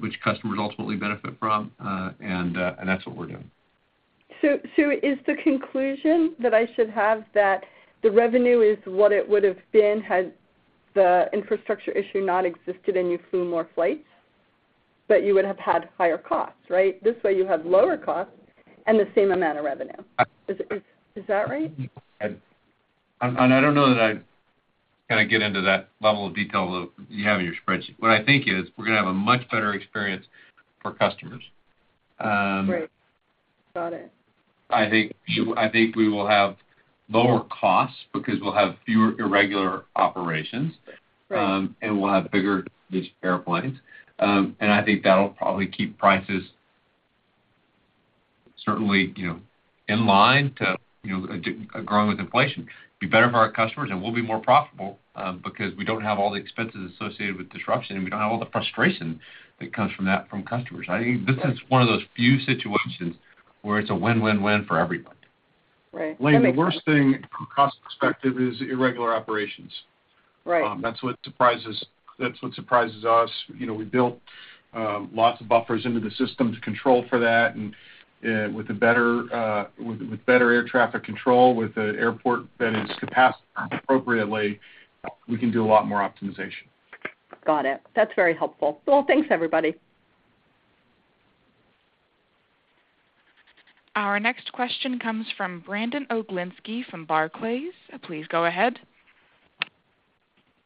which customers ultimately benefit from, and that's what we're doing. So, is the conclusion that I should have that the revenue is what it would have been had the infrastructure issue not existed and you flew more flights, but you would have had higher costs, right? This way, you have lower costs and the same amount of revenue. Is that right? I don't know that I kind of get into that level of detail, though. You have it in your spreadsheet. What I think is, we're gonna have a much better experience for customers. Great. Got it. I think we will have lower costs because we'll have fewer irregular operations. And we'll have bigger airplanes. And I think that'll probably keep prices certainly, you know, in line to, you know, growing with inflation. Be better for our customers, and we'll be more profitable, because we don't have all the expenses associated with disruption, and we don't have all the frustration that comes from that from customers. I think this is one of those few situations where it's a win, win, win for everybody. Right. That makes sense. Helane, the worst thing from a cost perspective is irregular operations. Right. That's what surprises us. You know, we built lots of buffers into the system to control for that, and with better air traffic control, with an airport that is capacitated appropriately, we can do a lot more optimization. Got it. That's very helpful. Well, thanks, everybody. Our next question comes from Brandon Oglenski from Barclays. Please go ahead.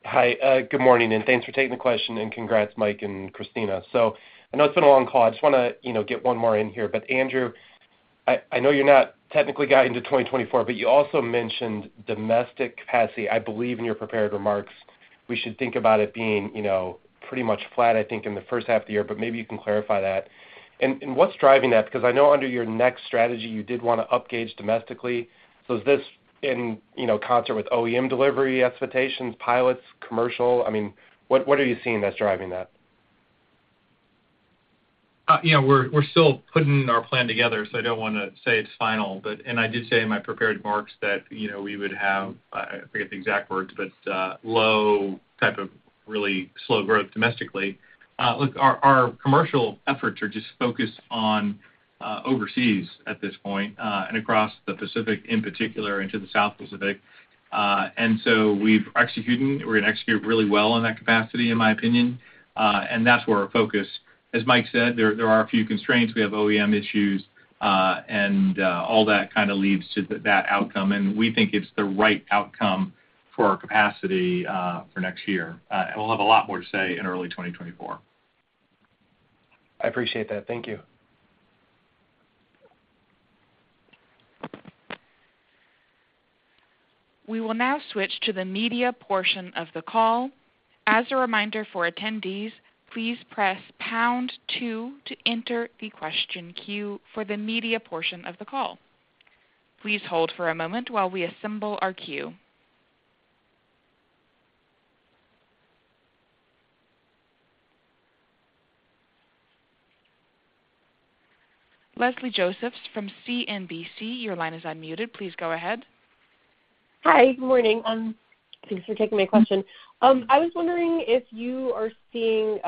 Hi, good morning, and thanks for taking the question, and congrats, Mike and Kristina. So I know it's been a long call. I just wanna, you know, get one more in here. But Andrew, I know you're not technically guiding into 2024, but you also mentioned domestic capacity, I believe, in your prepared remarks. We should think about it being, you know, pretty much flat, I think, in the first half of the year, but maybe you can clarify that. And, what's driving that? Because I know under your next strategy, you did want to upgauge domestically. So is this in, you know, concert with OEM delivery expectations, pilots, commercial? I mean, what are you seeing that's driving that? You know, we're still putting our plan together, so I don't wanna say it's final. But and I did say in my prepared remarks that, you know, we would have, I forget the exact words, but low type of really slow growth domestically. Look, our commercial efforts are just focused on overseas at this point, and across the Pacific in particular, into the South Pacific. And so we've executed, we're gonna execute really well in that capacity, in my opinion, and that's where our focus. As Mike said, there are a few constraints. We have OEM issues, and all that kind of leads to that outcome, and we think it's the right outcome for our capacity for next year. And we'll have a lot more to say in early 2024. I appreciate that. Thank you. We will now switch to the media portion of the call. As a reminder for attendees, please press pound two to enter the question queue for the media portion of the call. Please hold for a moment while we assemble our queue. Leslie Josephs from CNBC, your line is unmuted. Please go ahead. Hi, good morning. Thanks for taking my question. I was wondering if you can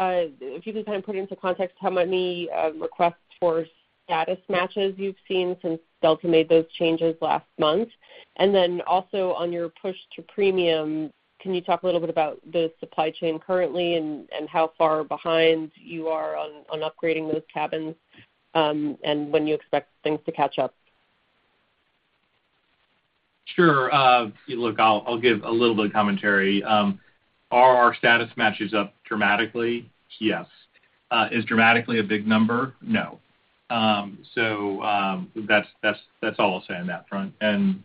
kind of put into context how many requests for status matches you've seen since Delta made those changes last month? And then also, on your push to premium, can you talk a little bit about the supply chain currently and how far behind you are on upgrading those cabins, and when you expect things to catch up? Sure. Look, I'll, I'll give a little bit of commentary. Are our status matches up dramatically? Yes. Is dramatically a big number? No. So, that's, that's, that's all I'll say on that front. And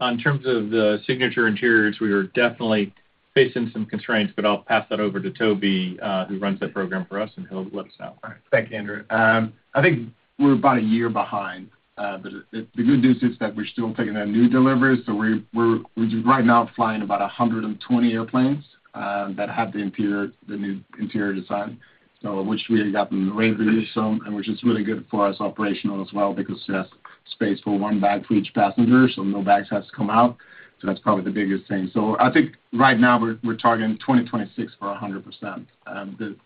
on terms of the Signature Interiors, we are definitely facing some constraints, but I'll pass that over to Toby, who runs that program for us, and he'll let us know. All right. Thanks, Andrew. I think we're about a year behind, but the, the good news is that we're still taking on new deliveries, so we're, we're right now flying about 120 airplanes that have the interior, the new interior design. So which we got from the ratings, and which is really good for us operational as well, because it has space for one bag for each passenger, so no bags has to come out, so that's probably the biggest thing. So I think right now we're, we're targeting 2026 for 100%, the,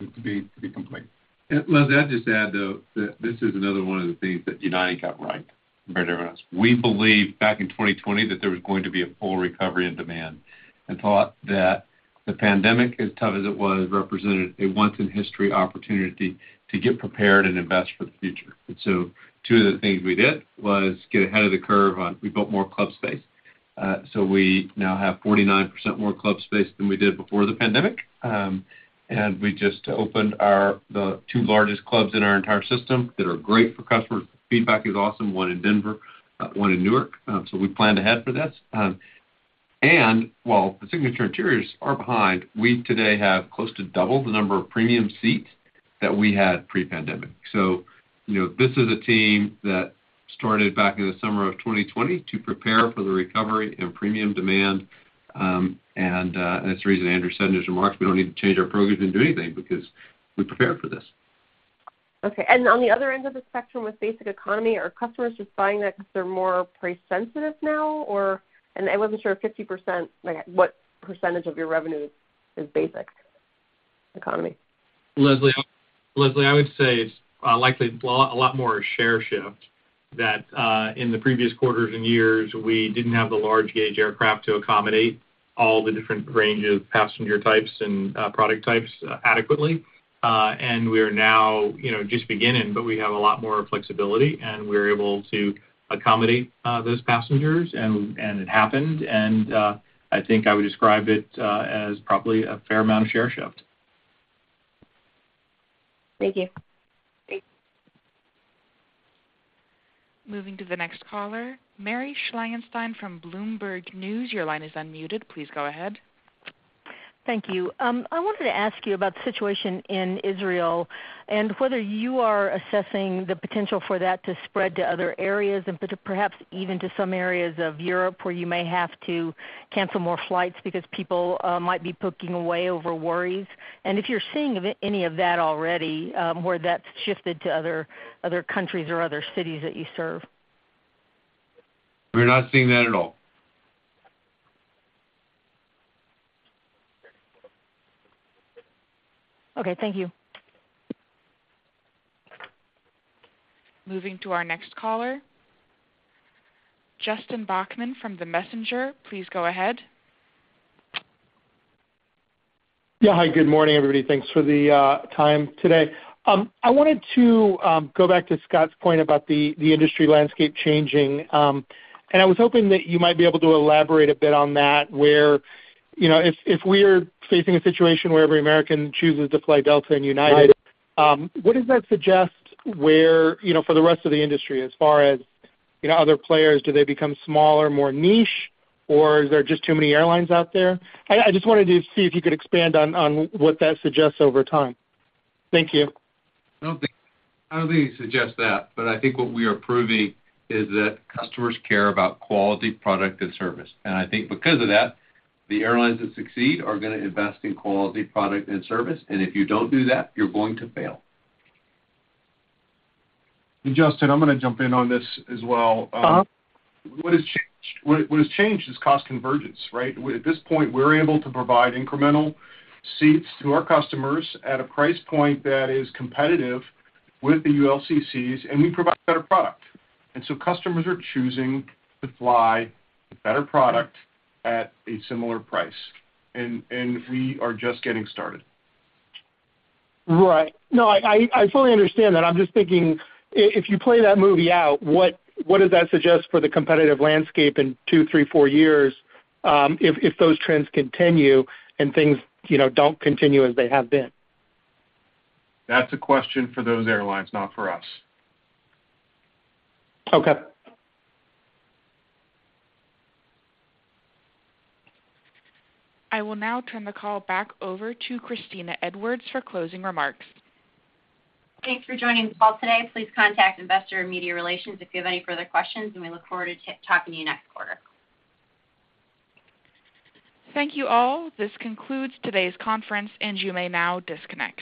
to be, to be complete. And Leslie, I'll just add, though, that this is another one of the things that United got right, better than us. We believed back in 2020 that there was going to be a full recovery in demand, and thought that the pandemic, as tough as it was, represented a once-in-history opportunity to get prepared and invest for the future. So two of the things we did was get ahead of the curve on we built more club space. So we now have 49% more club space than we did before the pandemic. And we just opened our the two largest clubs in our entire system that are great for customers. Feedback is awesome. One in Denver, one in Newark. So we planned ahead for this. While the Signature Interiors are behind, we today have close to double the number of premium seats that we had pre-pandemic. So, you know, this is a team that started back in the summer of 2020 to prepare for the recovery and premium demand, and that's the reason Andrew said in his remarks, we don't need to change our program, didn't do anything, because we prepared for this. Okay. On the other end of the spectrum, with Basic Economy, are customers just buying that because they're more price sensitive now, or I wasn't sure if 50%, like, what percentage of your revenue is Basic Economy? Leslie, Leslie, I would say it's likely a lot, a lot more a share shift that in the previous quarters and years, we didn't have the large gauge aircraft to accommodate all the different range of passenger types and product types adequately. And we are now, you know, just beginning, but we have a lot more flexibility, and we're able to accommodate those passengers and it happened, and I think I would describe it as probably a fair amount of share shift. Thank you. Moving to the next caller, Mary Schlangenstein from Bloomberg News. Your line is unmuted. Please go ahead. Thank you. I wanted to ask you about the situation in Israel and whether you are assessing the potential for that to spread to other areas and perhaps even to some areas of Europe, where you may have to cancel more flights because people might be booking away over worries. And if you're seeing of any of that already, where that's shifted to other countries or other cities that you serve? We're not seeing that at all. Okay. Thank you. Moving to our next caller, Justin Bachman from The Messenger. Please go ahead. Yeah. Hi, good morning, everybody. Thanks for the time today. I wanted to go back to Scott's point about the industry landscape changing. And I was hoping that you might be able to elaborate a bit on that, where, you know, if we are facing a situation where every American chooses to fly Delta and United, what does that suggest where, you know, for the rest of the industry, as far as, you know, other players, do they become smaller, more niche, or is there just too many airlines out there? I just wanted to see if you could expand on what that suggests over time. Thank you. I don't think, I don't think it suggests that, but I think what we are proving is that customers care about quality, product, and service. And I think because of that, the airlines that succeed are gonna invest in quality, product, and service. And if you don't do that, you're going to fail. Justin, I'm gonna jump in on this as well. What has changed is cost convergence, right? At this point, we're able to provide incremental seats to our customers at a price point that is competitive with the ULCCs, and we provide a better product. And so customers are choosing to fly a better product at a similar price, and we are just getting started. Right. No, I fully understand that. I'm just thinking, if you play that movie out, what does that suggest for the competitive landscape in two, three, four years, if those trends continue and things, you know, don't continue as they have been? That's a question for those airlines, not for us. Okay. I will now turn the call back over to Kristina Edwards for closing remarks. Thanks for joining the call today. Please contact Investor and Media Relations if you have any further questions, and we look forward to talking to you next quarter. Thank you, all. This concludes today's conference, and you may now disconnect.